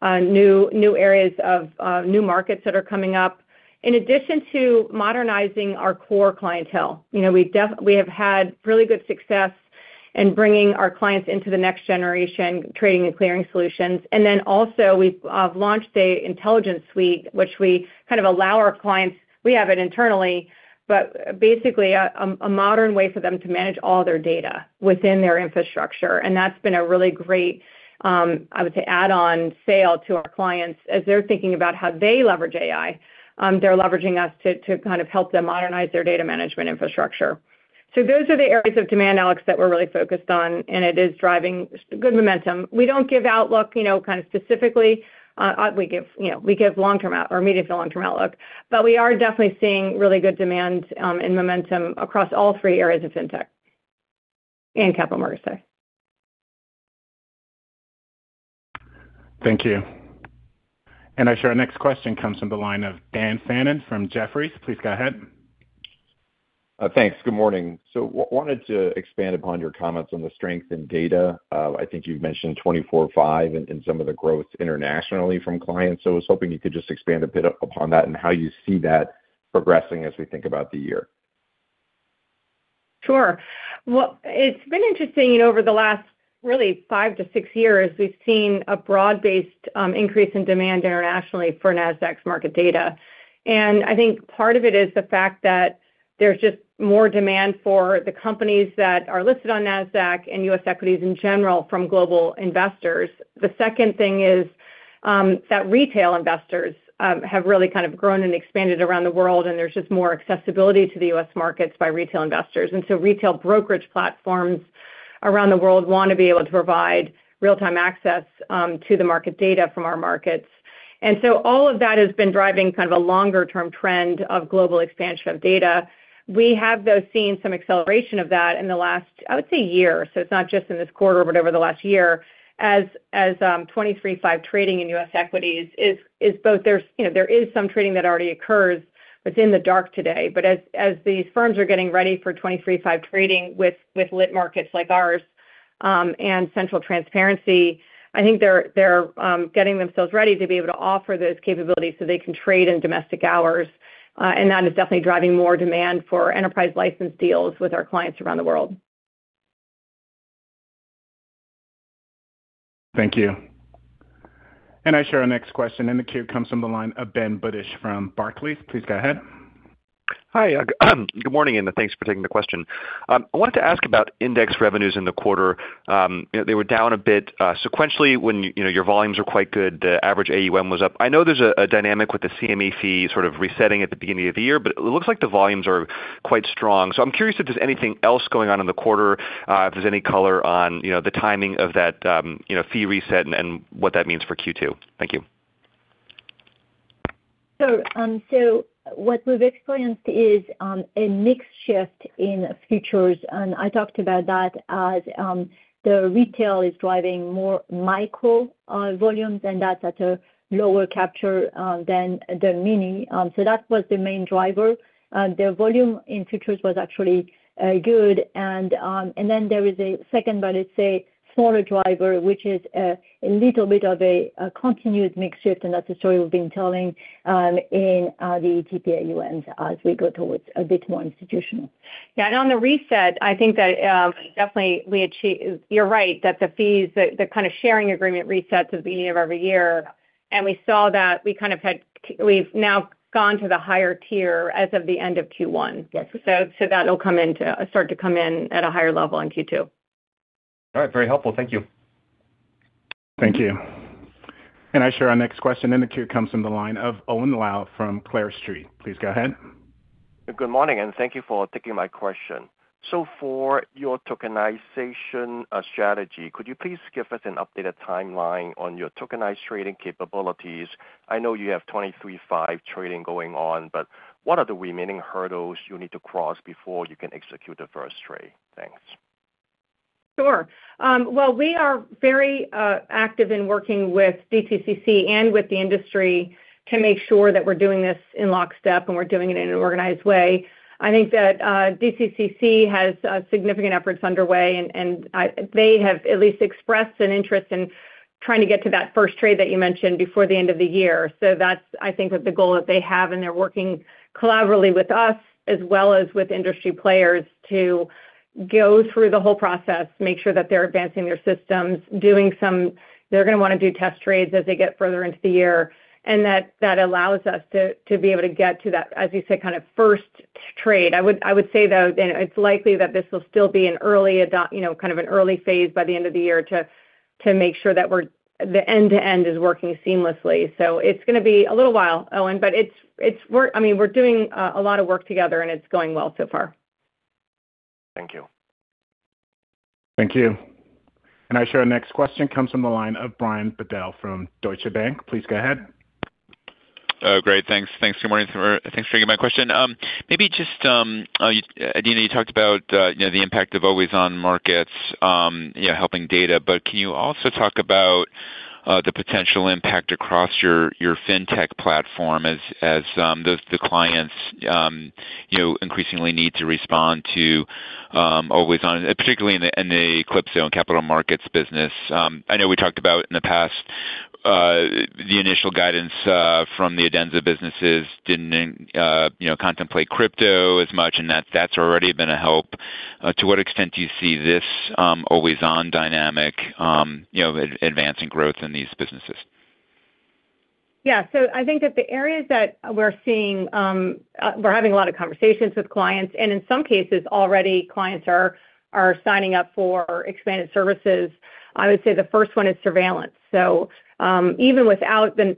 new areas of new markets that are coming up, in addition to modernizing our core clientele. We have had really good success in bringing our clients into the next generation trading and clearing solutions. We've launched an intelligence suite, which we kind of allow our clients. We have it internally, but basically a modern way for them to manage all their data within their infrastructure. That's been a really great, I would say, add-on sale to our clients as they're thinking about how they leverage AI. They're leveraging us to kind of help them modernize their data management infrastructure. Those are the areas of demand, Alex, that we're really focused on, and it is driving good momentum. We don't give outlook kind of specifically. We give medium to long-term outlook. We are definitely seeing really good demand and momentum across all three areas of FinTech and capital markets. Thank you. Our next question comes from the line of Dan Fannon from Jefferies. Please go ahead. Thanks. Good morning. Wanted to expand upon your comments on the strength in data. I think you've mentioned 24/5 in some of the growth internationally from clients. I was hoping you could just expand a bit upon that and how you see that progressing as we think about the year. Sure. Well, it's been interesting over the last really five to six years. We've seen a broad-based increase in demand internationally for Nasdaq's market data. I think part of it is the fact that there's just more demand for the companies that are listed on Nasdaq and U.S. equities in general from global investors. The second thing is that retail investors have really kind of grown and expanded around the world, and there's just more accessibility to the U.S. markets by retail investors. Retail brokerage platforms around the world want to be able to provide real-time access to the market data from our markets. All of that has been driving kind of a longer term trend of global expansion of data. We have, though, seen some acceleration of that in the last, I would say, year. It's not just in this quarter but over the last year as 23/5 trading in U.S. equities is, but there's some trading that already occurs but it's in the dark today. As these firms are getting ready for 23/5 trading with lit markets like ours, and central transparency, I think they're getting themselves ready to be able to offer those capabilities so they can trade in domestic hours. That is definitely driving more demand for enterprise license deals with our clients around the world. Thank you. I see our next question in the queue comes from the line of Ben Budish from Barclays. Please go ahead. Hi. Good morning, and thanks for taking the question. I wanted to ask about index revenues in the quarter. They were down a bit sequentially when your volumes were quite good. The average AUM was up. I know there's a dynamic with the CME fee sort of resetting at the beginning of the year, but it looks like the volumes are quite strong. I'm curious if there's anything else going on in the quarter, if there's any color on the timing of that fee reset and what that means for Q2. Thank you. What we've experienced is a mix shift in futures, and I talked about that as the retail is driving more micro volumes, and that's at a lower capture than the mini. That was the main driver. The volume in futures was actually good. There is a second, but let's say, smaller driver, which is a little bit of a continued mix shift, and that's a story we've been telling in the funnel as we go towards a bit more institutional. Yeah. On the reset, I think that definitely you're right, that the fees, the kind of sharing agreement resets at the beginning of every year. We saw that we've now gone to the higher tier as of the end of Q1. Yes. That'll start to come in at a higher level in Q2. All right. Very helpful. Thank you. Thank you. Our next question in the queue comes from the line of Owen Lau from Clear Street. Please go ahead. Good morning, and thank you for taking my question. For your tokenization strategy, could you please give us an updated timeline on your tokenized trading capabilities? I know you have 23/5 trading going on, but what are the remaining hurdles you need to cross before you can execute the first trade? Thanks. Sure. Well, we are very active in working with DTCC and with the industry to make sure that we're doing this in lockstep and we're doing it in an organized way. I think that DTCC has significant efforts underway, and they have at least expressed an interest in trying to get to that first trade that you mentioned before the end of the year. That's, I think, the goal that they have, and they're working collaboratively with us as well as with industry players to go through the whole process, make sure that they're advancing their systems. They're going to want to do test trades as they get further into the year. That allows us to be able to get to that, as you said, kind of first trade. I would say, though, it's likely that this will still be kind of an early phase by the end of the year to make sure that the end-to-end is working seamlessly. It's going to be a little while, Owen, but we're doing a lot of work together, and it's going well so far. Thank you. Thank you. Our next question comes from the line of Brian Bedell from Deutsche Bank. Please go ahead. Oh, great. Thanks. Good morning. Thanks for taking my question. Adena, you talked about the impact of always-on markets helping data, but can you also talk about the potential impact across your fintech platform as the clients increasingly need to respond to always-on, particularly in the Calypso and capital markets business. I know we talked about in the past the initial guidance from the Adenza businesses didn't contemplate crypto as much, and that's already been a help. To what extent do you see this always-on dynamic advancing growth in these businesses? Yeah. I think that the areas that we're seeing, we're having a lot of conversations with clients, and in some cases already, clients are signing up for expanded services. I would say the first one is surveillance. Even without the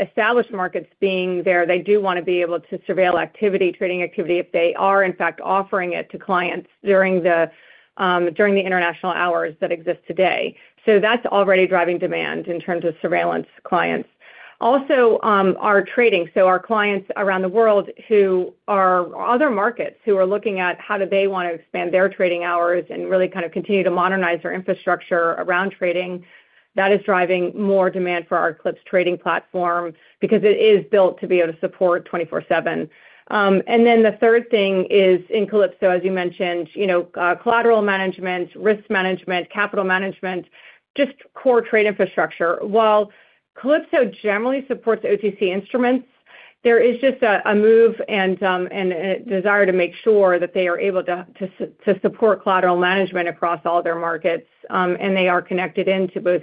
established markets being there, they do want to be able to surveil trading activity if they are, in fact, offering it to clients during the international hours that exist today. That's already driving demand in terms of surveillance clients. Also, our trading. Our clients around the world who are other markets, who are looking at how do they want to expand their trading hours and really kind of continue to modernize their infrastructure around trading, that is driving more demand for our Calypso trading platform because it is built to be able to support 24/7. The third thing is in Calypso, as you mentioned, collateral management, risk management, capital management, just core trade infrastructure. While Calypso generally supports OTC instruments, there is just a move and desire to make sure that they are able to support collateral management across all their markets, and they are connected into both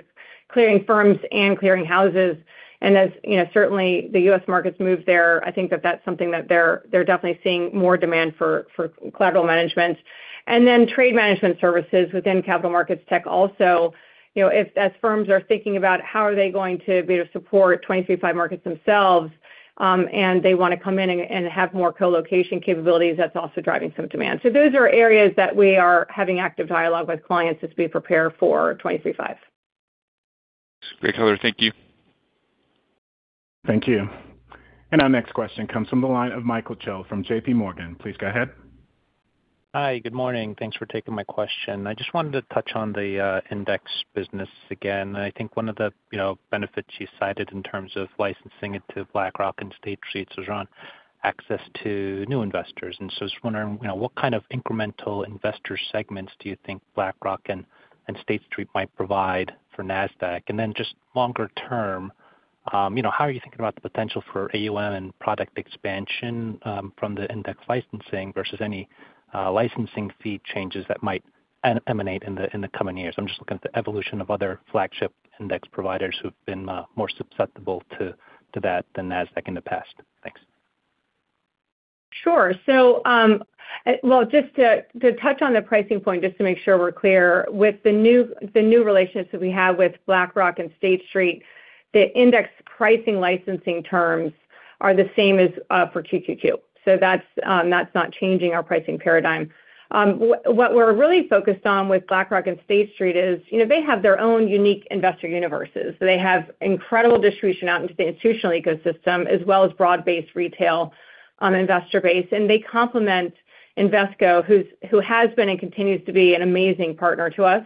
clearing firms and clearing houses. As certainly the U.S. markets move there, I think that that's something that they're definitely seeing more demand for collateral management. Trade Management Services within capital markets tech also, as firms are thinking about how are they going to be able to support 23/5 markets themselves, and they want to come in and have more co-location capabilities, that's also driving some demand. Those are areas that we are having active dialogue with clients as we prepare for 23/5. Great color. Thank you. Thank you. Our next question comes from the line of Michael Cho from JPMorgan. Please go ahead. Hi. Good morning. Thanks for taking my question. I just wanted to touch on the index business again. I think one of the benefits you cited in terms of licensing it to BlackRock and State Street was around access to new investors. I was wondering what kind of incremental investor segments do you think BlackRock and State Street might provide for Nasdaq? Just longer term, how are you thinking about the potential for AUM and product expansion from the index licensing versus any licensing fee changes that might emanate in the coming years? I'm just looking at the evolution of other flagship index providers who've been more susceptible to that than Nasdaq in the past. Thanks. Sure. Well, just to touch on the pricing point, just to make sure we're clear, with the new relationships that we have with BlackRock and State Street, the index pricing licensing terms are the same as for QQQ. That's not changing our pricing paradigm. What we're really focused on with BlackRock and State Street is they have their own unique investor universes. They have incredible distribution out into the institutional ecosystem as well as broad-based retail investor base, and they complement Invesco, who has been and continues to be an amazing partner to us.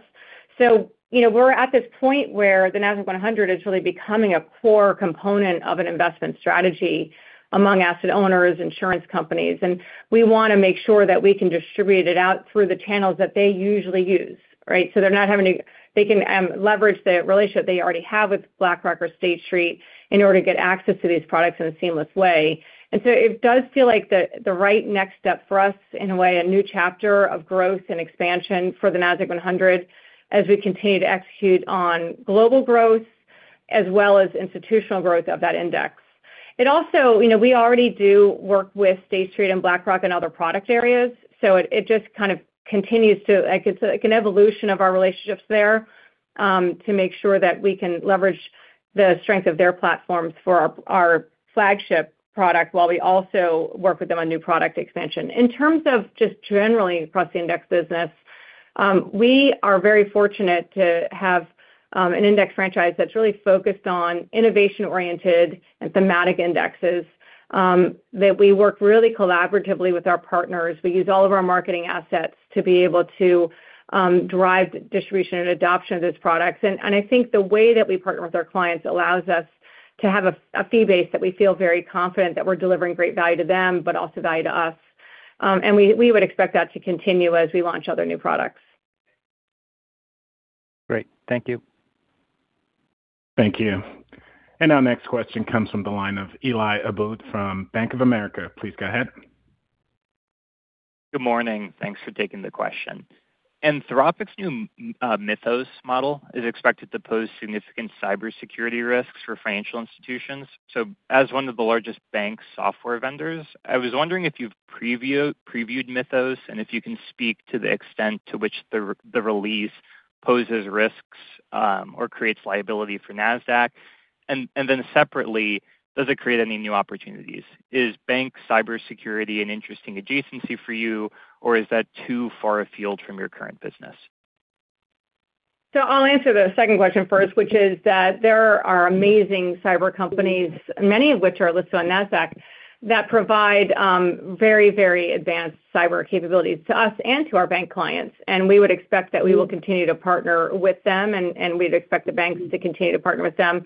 We're at this point where the Nasdaq-100 is really becoming a core component of an investment strategy among asset owners, insurance companies, and we want to make sure that we can distribute it out through the channels that they usually use, right? They can leverage the relationship they already have with BlackRock or State Street in order to get access to these products in a seamless way. It does feel like the right next step for us, in a way, a new chapter of growth and expansion for the Nasdaq-100 as we continue to execute on global growth as well as institutional growth of that index. We already do work with State Street and BlackRock in other product areas, so it's like an evolution of our relationships there to make sure that we can leverage the strength of their platforms for our flagship product while we also work with them on new product expansion. In terms of just generally across the index business, we are very fortunate to have an index franchise that's really focused on innovation-oriented and thematic indexes, that we work really collaboratively with our partners. We use all of our marketing assets to be able to drive distribution and adoption of those products. I think the way that we partner with our clients allows us to have a fee base that we feel very confident that we're delivering great value to them, but also value to us. We would expect that to continue as we launch other new products. Great. Thank you. Thank you. Our next question comes from the line of Eli Abboud from Bank of America. Please go ahead. Good morning. Thanks for taking the question. Anthropic's new Claude Mythos model is expected to pose significant cybersecurity risks for financial institutions. As one of the largest bank software vendors, I was wondering if you've previewed Claude Mythos, and if you can speak to the extent to which the release poses risks or creates liability for Nasdaq. Then separately, does it create any new opportunities? Is bank cybersecurity an interesting adjacency for you, or is that too far afield from your current business? I'll answer the second question first, which is that there are amazing cyber companies, many of which are listed on Nasdaq, that provide very advanced cyber capabilities to us and to our bank clients. We would expect that we will continue to partner with them, and we'd expect the banks to continue to partner with them.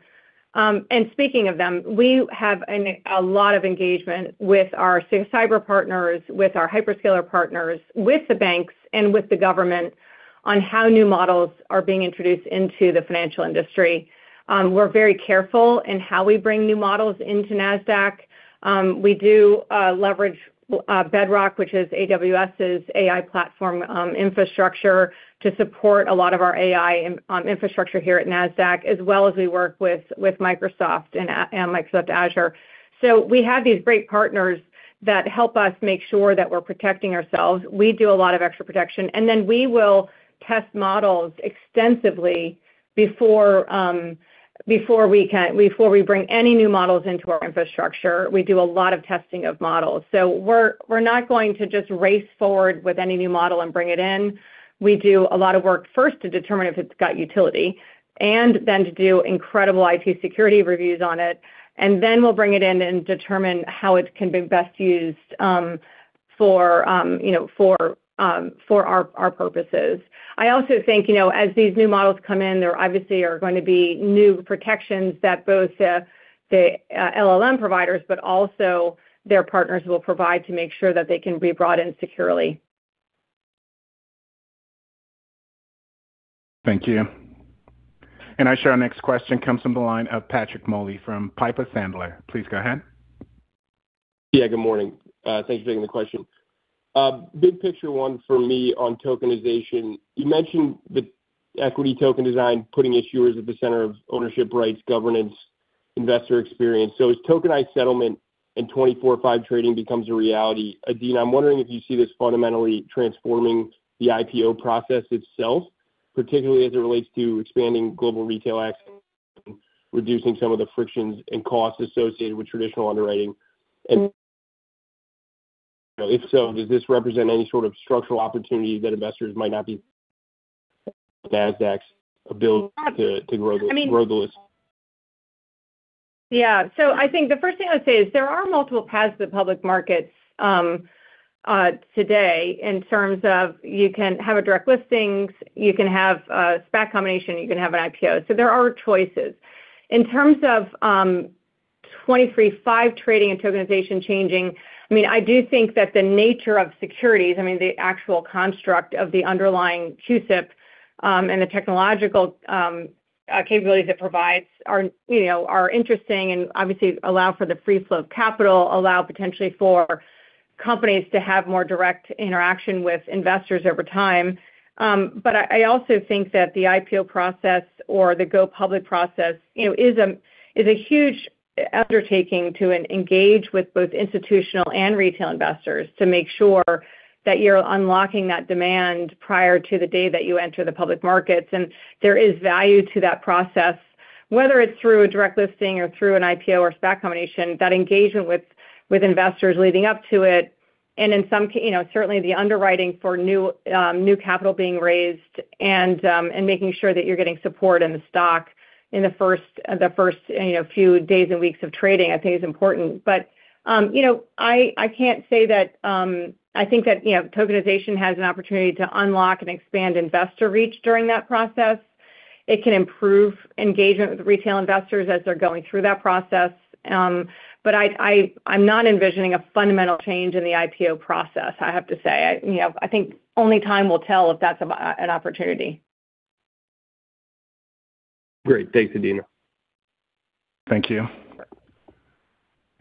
Speaking of them, we have a lot of engagement with our cyber partners, with our hyperscaler partners, with the banks, and with the government on how new models are being introduced into the financial industry. We're very careful in how we bring new models into Nasdaq. We do leverage Bedrock, which is AWS's AI platform infrastructure, to support a lot of our AI infrastructure here at Nasdaq, as well as we work with Microsoft and Microsoft Azure. We have these great partners that help us make sure that we're protecting ourselves. We do a lot of extra protection, and then we will test models extensively before we bring any new models into our infrastructure. We do a lot of testing of models. We're not going to just race forward with any new model and bring it in. We do a lot of work first to determine if it's got utility, and then to do incredible IT security reviews on it. And then we'll bring it in and determine how it can be best used for our purposes. I also think, as these new models come in, there obviously are going to be new protections that both the LLM providers, but also their partners will provide to make sure that they can be brought in securely. Thank you. Our next question comes from the line of Patrick Moley from Piper Sandler. Please go ahead. Yeah, good morning. Thanks for taking the question. Big picture one for me on tokenization. You mentioned the equity token design, putting issuers at the center of ownership rights, governance, investor experience. As tokenized settlement and 24/5 trading becomes a reality, Adena, I'm wondering if you see this fundamentally transforming the IPO process itself, particularly as it relates to expanding global retail access and reducing some of the frictions and costs associated with traditional underwriting. If so, does this represent any sort of structural opportunity that investors might not be Nasdaq's ability to grow the list? Yeah. I think the first thing I would say is there are multiple paths to public markets today in terms of you can have a direct listings, you can have a SPAC combination, you can have an IPO. There are choices. In terms of 24/5 trading and tokenization changing, I do think that the nature of securities, the actual construct of the underlying CUSIP, and the technological capabilities it provides are interesting and obviously allow for the free flow of capital, allow potentially for companies to have more direct interaction with investors over time. I also think that the IPO process or the go public process is a huge undertaking to engage with both institutional and retail investors to make sure that you're unlocking that demand prior to the day that you enter the public markets. There is value to that process, whether it's through a direct listing or through an IPO or SPAC combination, that engagement with investors leading up to it, and certainly the underwriting for new capital being raised and making sure that you're getting support in the stock. In the first few days and weeks of trading, I'd say is important. I can't say that I think that tokenization has an opportunity to unlock and expand investor reach during that process. It can improve engagement with retail investors as they're going through that process. I'm not envisioning a fundamental change in the IPO process, I have to say. I think only time will tell if that's an opportunity. Great. Thanks, Adena. Thank you.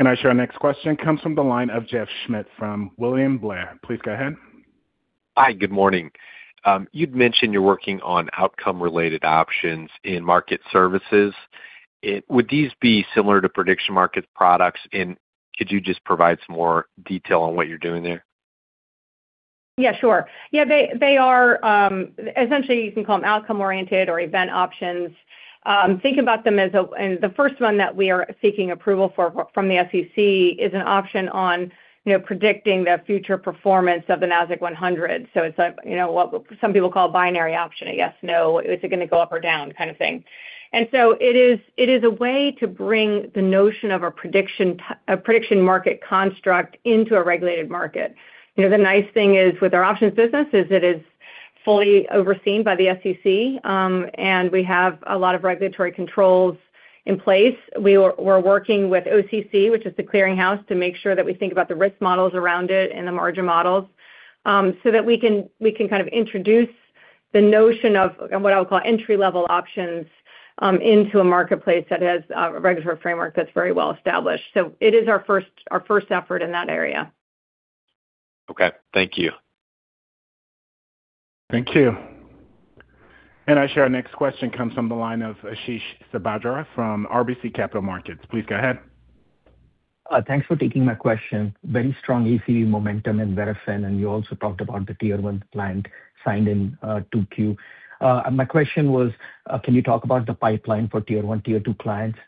Our next question comes from the line of Jeff Schmitt from William Blair. Please go ahead. Hi, good morning. You'd mentioned you're working on outcome-related options in Market Services. Would these be similar to prediction markets products, and could you just provide some more detail on what you're doing there? Yeah, sure. Essentially, you can call them outcome-oriented or event options. The first one that we are seeking approval for from the SEC is an option on predicting the future performance of the Nasdaq-100. It's what some people call binary option, a yes, no, is it going to go up or down kind of thing. It is a way to bring the notion of a prediction market construct into a regulated market. The nice thing is with our options business is it is fully overseen by the SEC, and we have a lot of regulatory controls in place. We're working with OCC, which is the clearinghouse, to make sure that we think about the risk models around it and the margin models, so that we can kind of introduce the notion of what I'll call entry-level options into a marketplace that has a regulatory framework that's very well established. It is our first effort in that area. Okay. Thank you. Thank you. Our next question comes from the line of Ashish Sabadra from RBC Capital Markets. Please go ahead. Thanks for taking my question. Very strong ACV momentum in Verafin, and you also talked about the Tier 1 client signed in 2Q. My question was, can you talk about the pipeline for Tier 1, Tier 2 clients?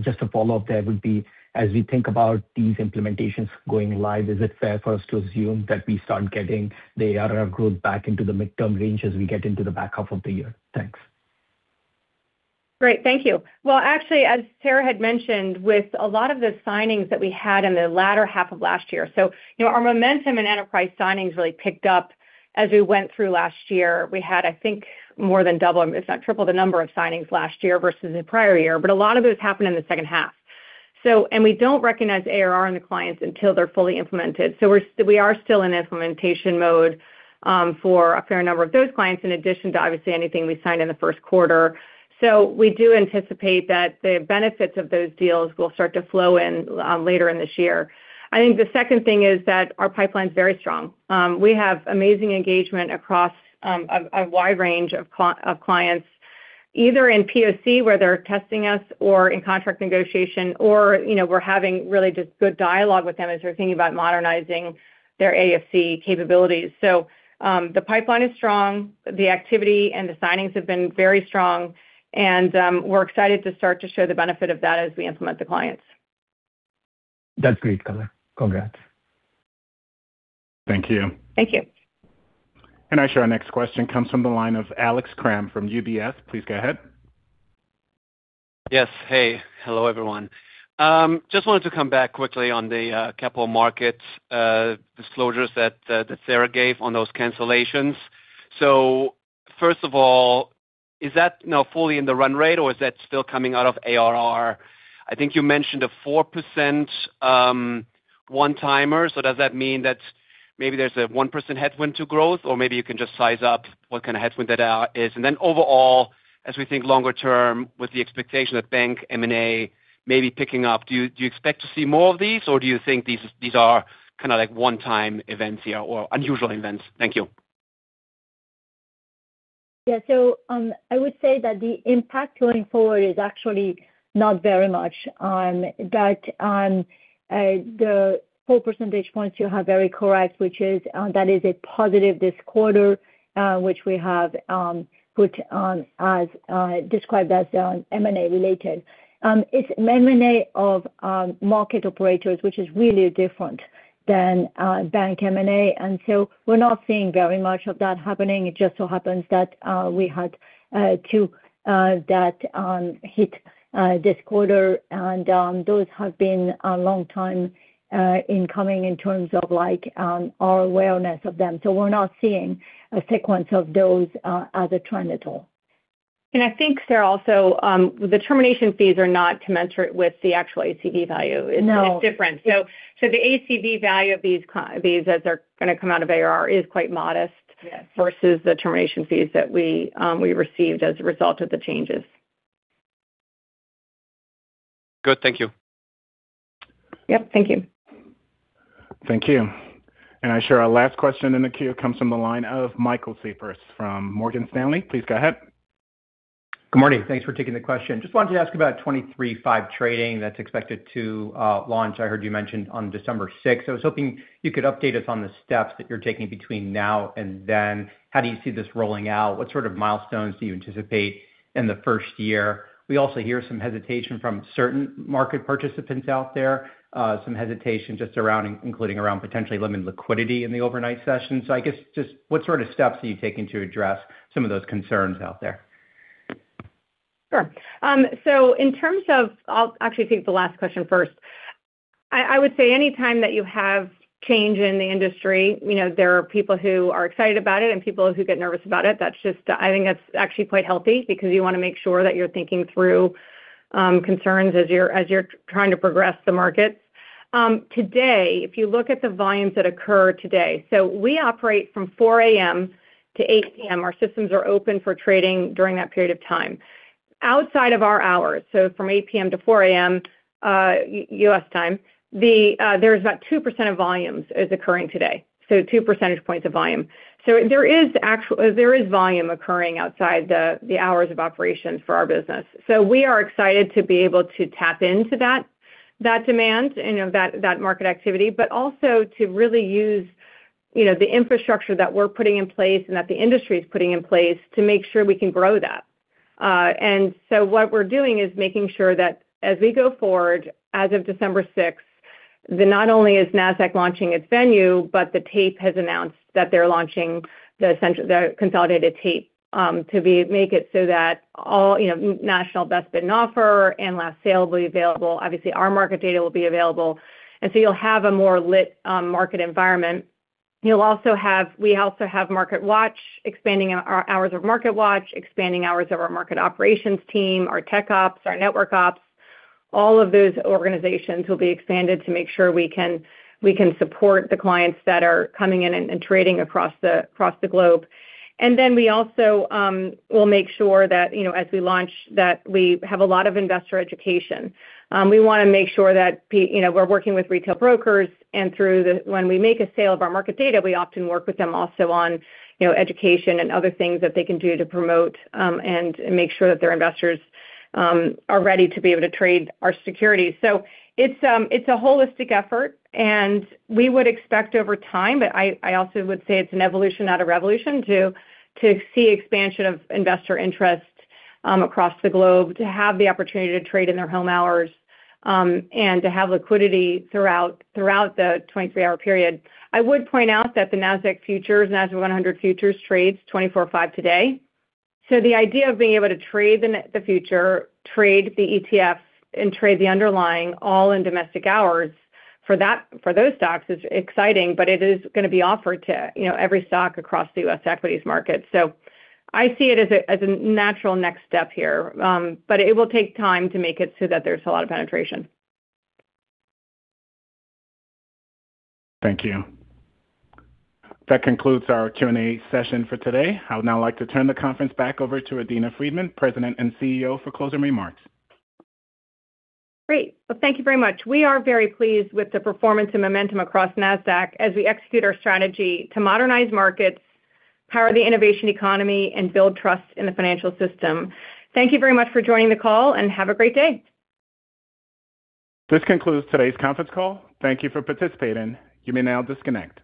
Just a follow-up there would be, as we think about these implementations going live, is it fair for us to assume that we start getting the ARR growth back into the midterm range as we get into the back half of the year? Thanks. Great. Thank you. Well, actually, as Sarah had mentioned, with a lot of the signings that we had in the latter half of last year, our momentum in enterprise signings really picked up as we went through last year. We had, I think, more than double, if not triple the number of signings last year versus the prior year. A lot of those happened in the second half. We don't recognize ARR in the clients until they're fully implemented. We are still in implementation mode for a fair number of those clients, in addition to obviously anything we signed in the first quarter. We do anticipate that the benefits of those deals will start to flow in later in this year. I think the second thing is that our pipeline's very strong. We have amazing engagement across a wide range of clients, either in POC, where they're testing us or in contract negotiation, or we're having really just good dialogue with them as they're thinking about modernizing their ASC capabilities. The pipeline is strong. The activity and the signings have been very strong, and we're excited to start to show the benefit of that as we implement the clients. That's great. Congrats. Thank you. Thank you. Our next question comes from the line of Alex Kramm from UBS. Please go ahead. Yes. Hey. Hello, everyone. Just wanted to come back quickly on the capital markets disclosures that Sarah gave on those cancellations. First of all, is that now fully in the run rate, or is that still coming out of ARR? I think you mentioned a 4% one-timer. Does that mean that maybe there's a 1% headwind to growth, or maybe you can just size up what kind of headwind that is? Overall, as we think longer term with the expectation that bank M&A may be picking up, do you expect to see more of these, or do you think these are kind of one-time events here or unusual events? Thank you. Yeah. I would say that the impact going forward is actually not very much. The 4 percentage points you have very correct, which is that is a positive this quarter, which we have described as M&A-related. It's M&A of market operators, which is really different than bank M&A, and so we're not seeing very much of that happening. It just so happens that we had 2 that hit this quarter, and those have been a long time in coming in terms of our awareness of them. We're not seeing a sequence of those as a trend at all. I think, Sarah, also, the termination fees are not commensurate with the actual ACV value. No. It's different. The ACV value of these as they're going to come out of ARR is quite modest. Yes. versus the termination fees that we received as a result of the changes. Good. Thank you. Yep. Thank you. Thank you. Our last question in the queue comes from the line of Michael Cyprys from Morgan Stanley. Please go ahead. Good morning. Thanks for taking the question. Just wanted to ask about 23/5 trading that's expected to launch. I heard you mention on December 6th. I was hoping you could update us on the steps that you're taking between now and then. How do you see this rolling out? What sort of milestones do you anticipate in the first year? We also hear some hesitation from certain market participants out there, some hesitation just including around potentially limited liquidity in the overnight session. I guess, just what sort of steps are you taking to address some of those concerns out there? Sure. I'll actually take the last question first. I would say anytime that you have change in the industry, there are people who are excited about it and people who get nervous about it. I think that's actually quite healthy because you want to make sure that you're thinking through concerns as you're trying to progress the markets. Today, if you look at the volumes that occur today, so we operate from 4:00 A.M. to 8:00 P.M. Our systems are open for trading during that period of time. Outside of our hours, so from 8:00 P.M. to 4:00 A.M., U.S. time, there's about 2% of volumes is occurring today, so 2 percentage points of volume. There is volume occurring outside the hours of operation for our business. We are excited to be able to tap into that demand and that market activity, but also to really use the infrastructure that we're putting in place and that the industry is putting in place to make sure we can grow that. What we're doing is making sure that as we go forward, as of December sixth, that not only is Nasdaq launching its venue, but the tape has announced that they're launching the consolidated tape, to make it so that national best bid and offer and last sale will be available. Obviously, our market data will be available, and so you'll have a more lit market environment. We also have market watch, expanding our hours of market watch, expanding hours of our market operations team, our tech ops, our network ops. All of those organizations will be expanded to make sure we can support the clients that are coming in and trading across the globe. Then we also will make sure that as we launch, that we have a lot of investor education. We want to make sure that we're working with retail brokers and when we make a sale of our market data, we often work with them also on education and other things that they can do to promote, and make sure that their investors are ready to be able to trade our security. It's a holistic effort, and we would expect over time, but I also would say it's an evolution, not a revolution, to see expansion of investor interest across the globe, to have the opportunity to trade in their home hours, and to have liquidity throughout the 23-hour period. I would point out that the Nasdaq futures, Nasdaq-100 futures, trades 24/5 today. The idea of being able to trade the future, trade the ETFs, and trade the underlying all in domestic hours for those stocks is exciting, but it is going to be offered to every stock across the U.S. equities market. I see it as a natural next step here, but it will take time to make it so that there's a lot of penetration. Thank you. That concludes our Q&A session for today. I would now like to turn the conference back over to Adena Friedman, President and CEO, for closing remarks. Great. Well, thank you very much. We are very pleased with the performance and momentum across Nasdaq as we execute our strategy to modernize markets, power the innovation economy, and build trust in the financial system. Thank you very much for joining the call, and have a great day. This concludes today's conference call. Thank you for participating. You may now disconnect.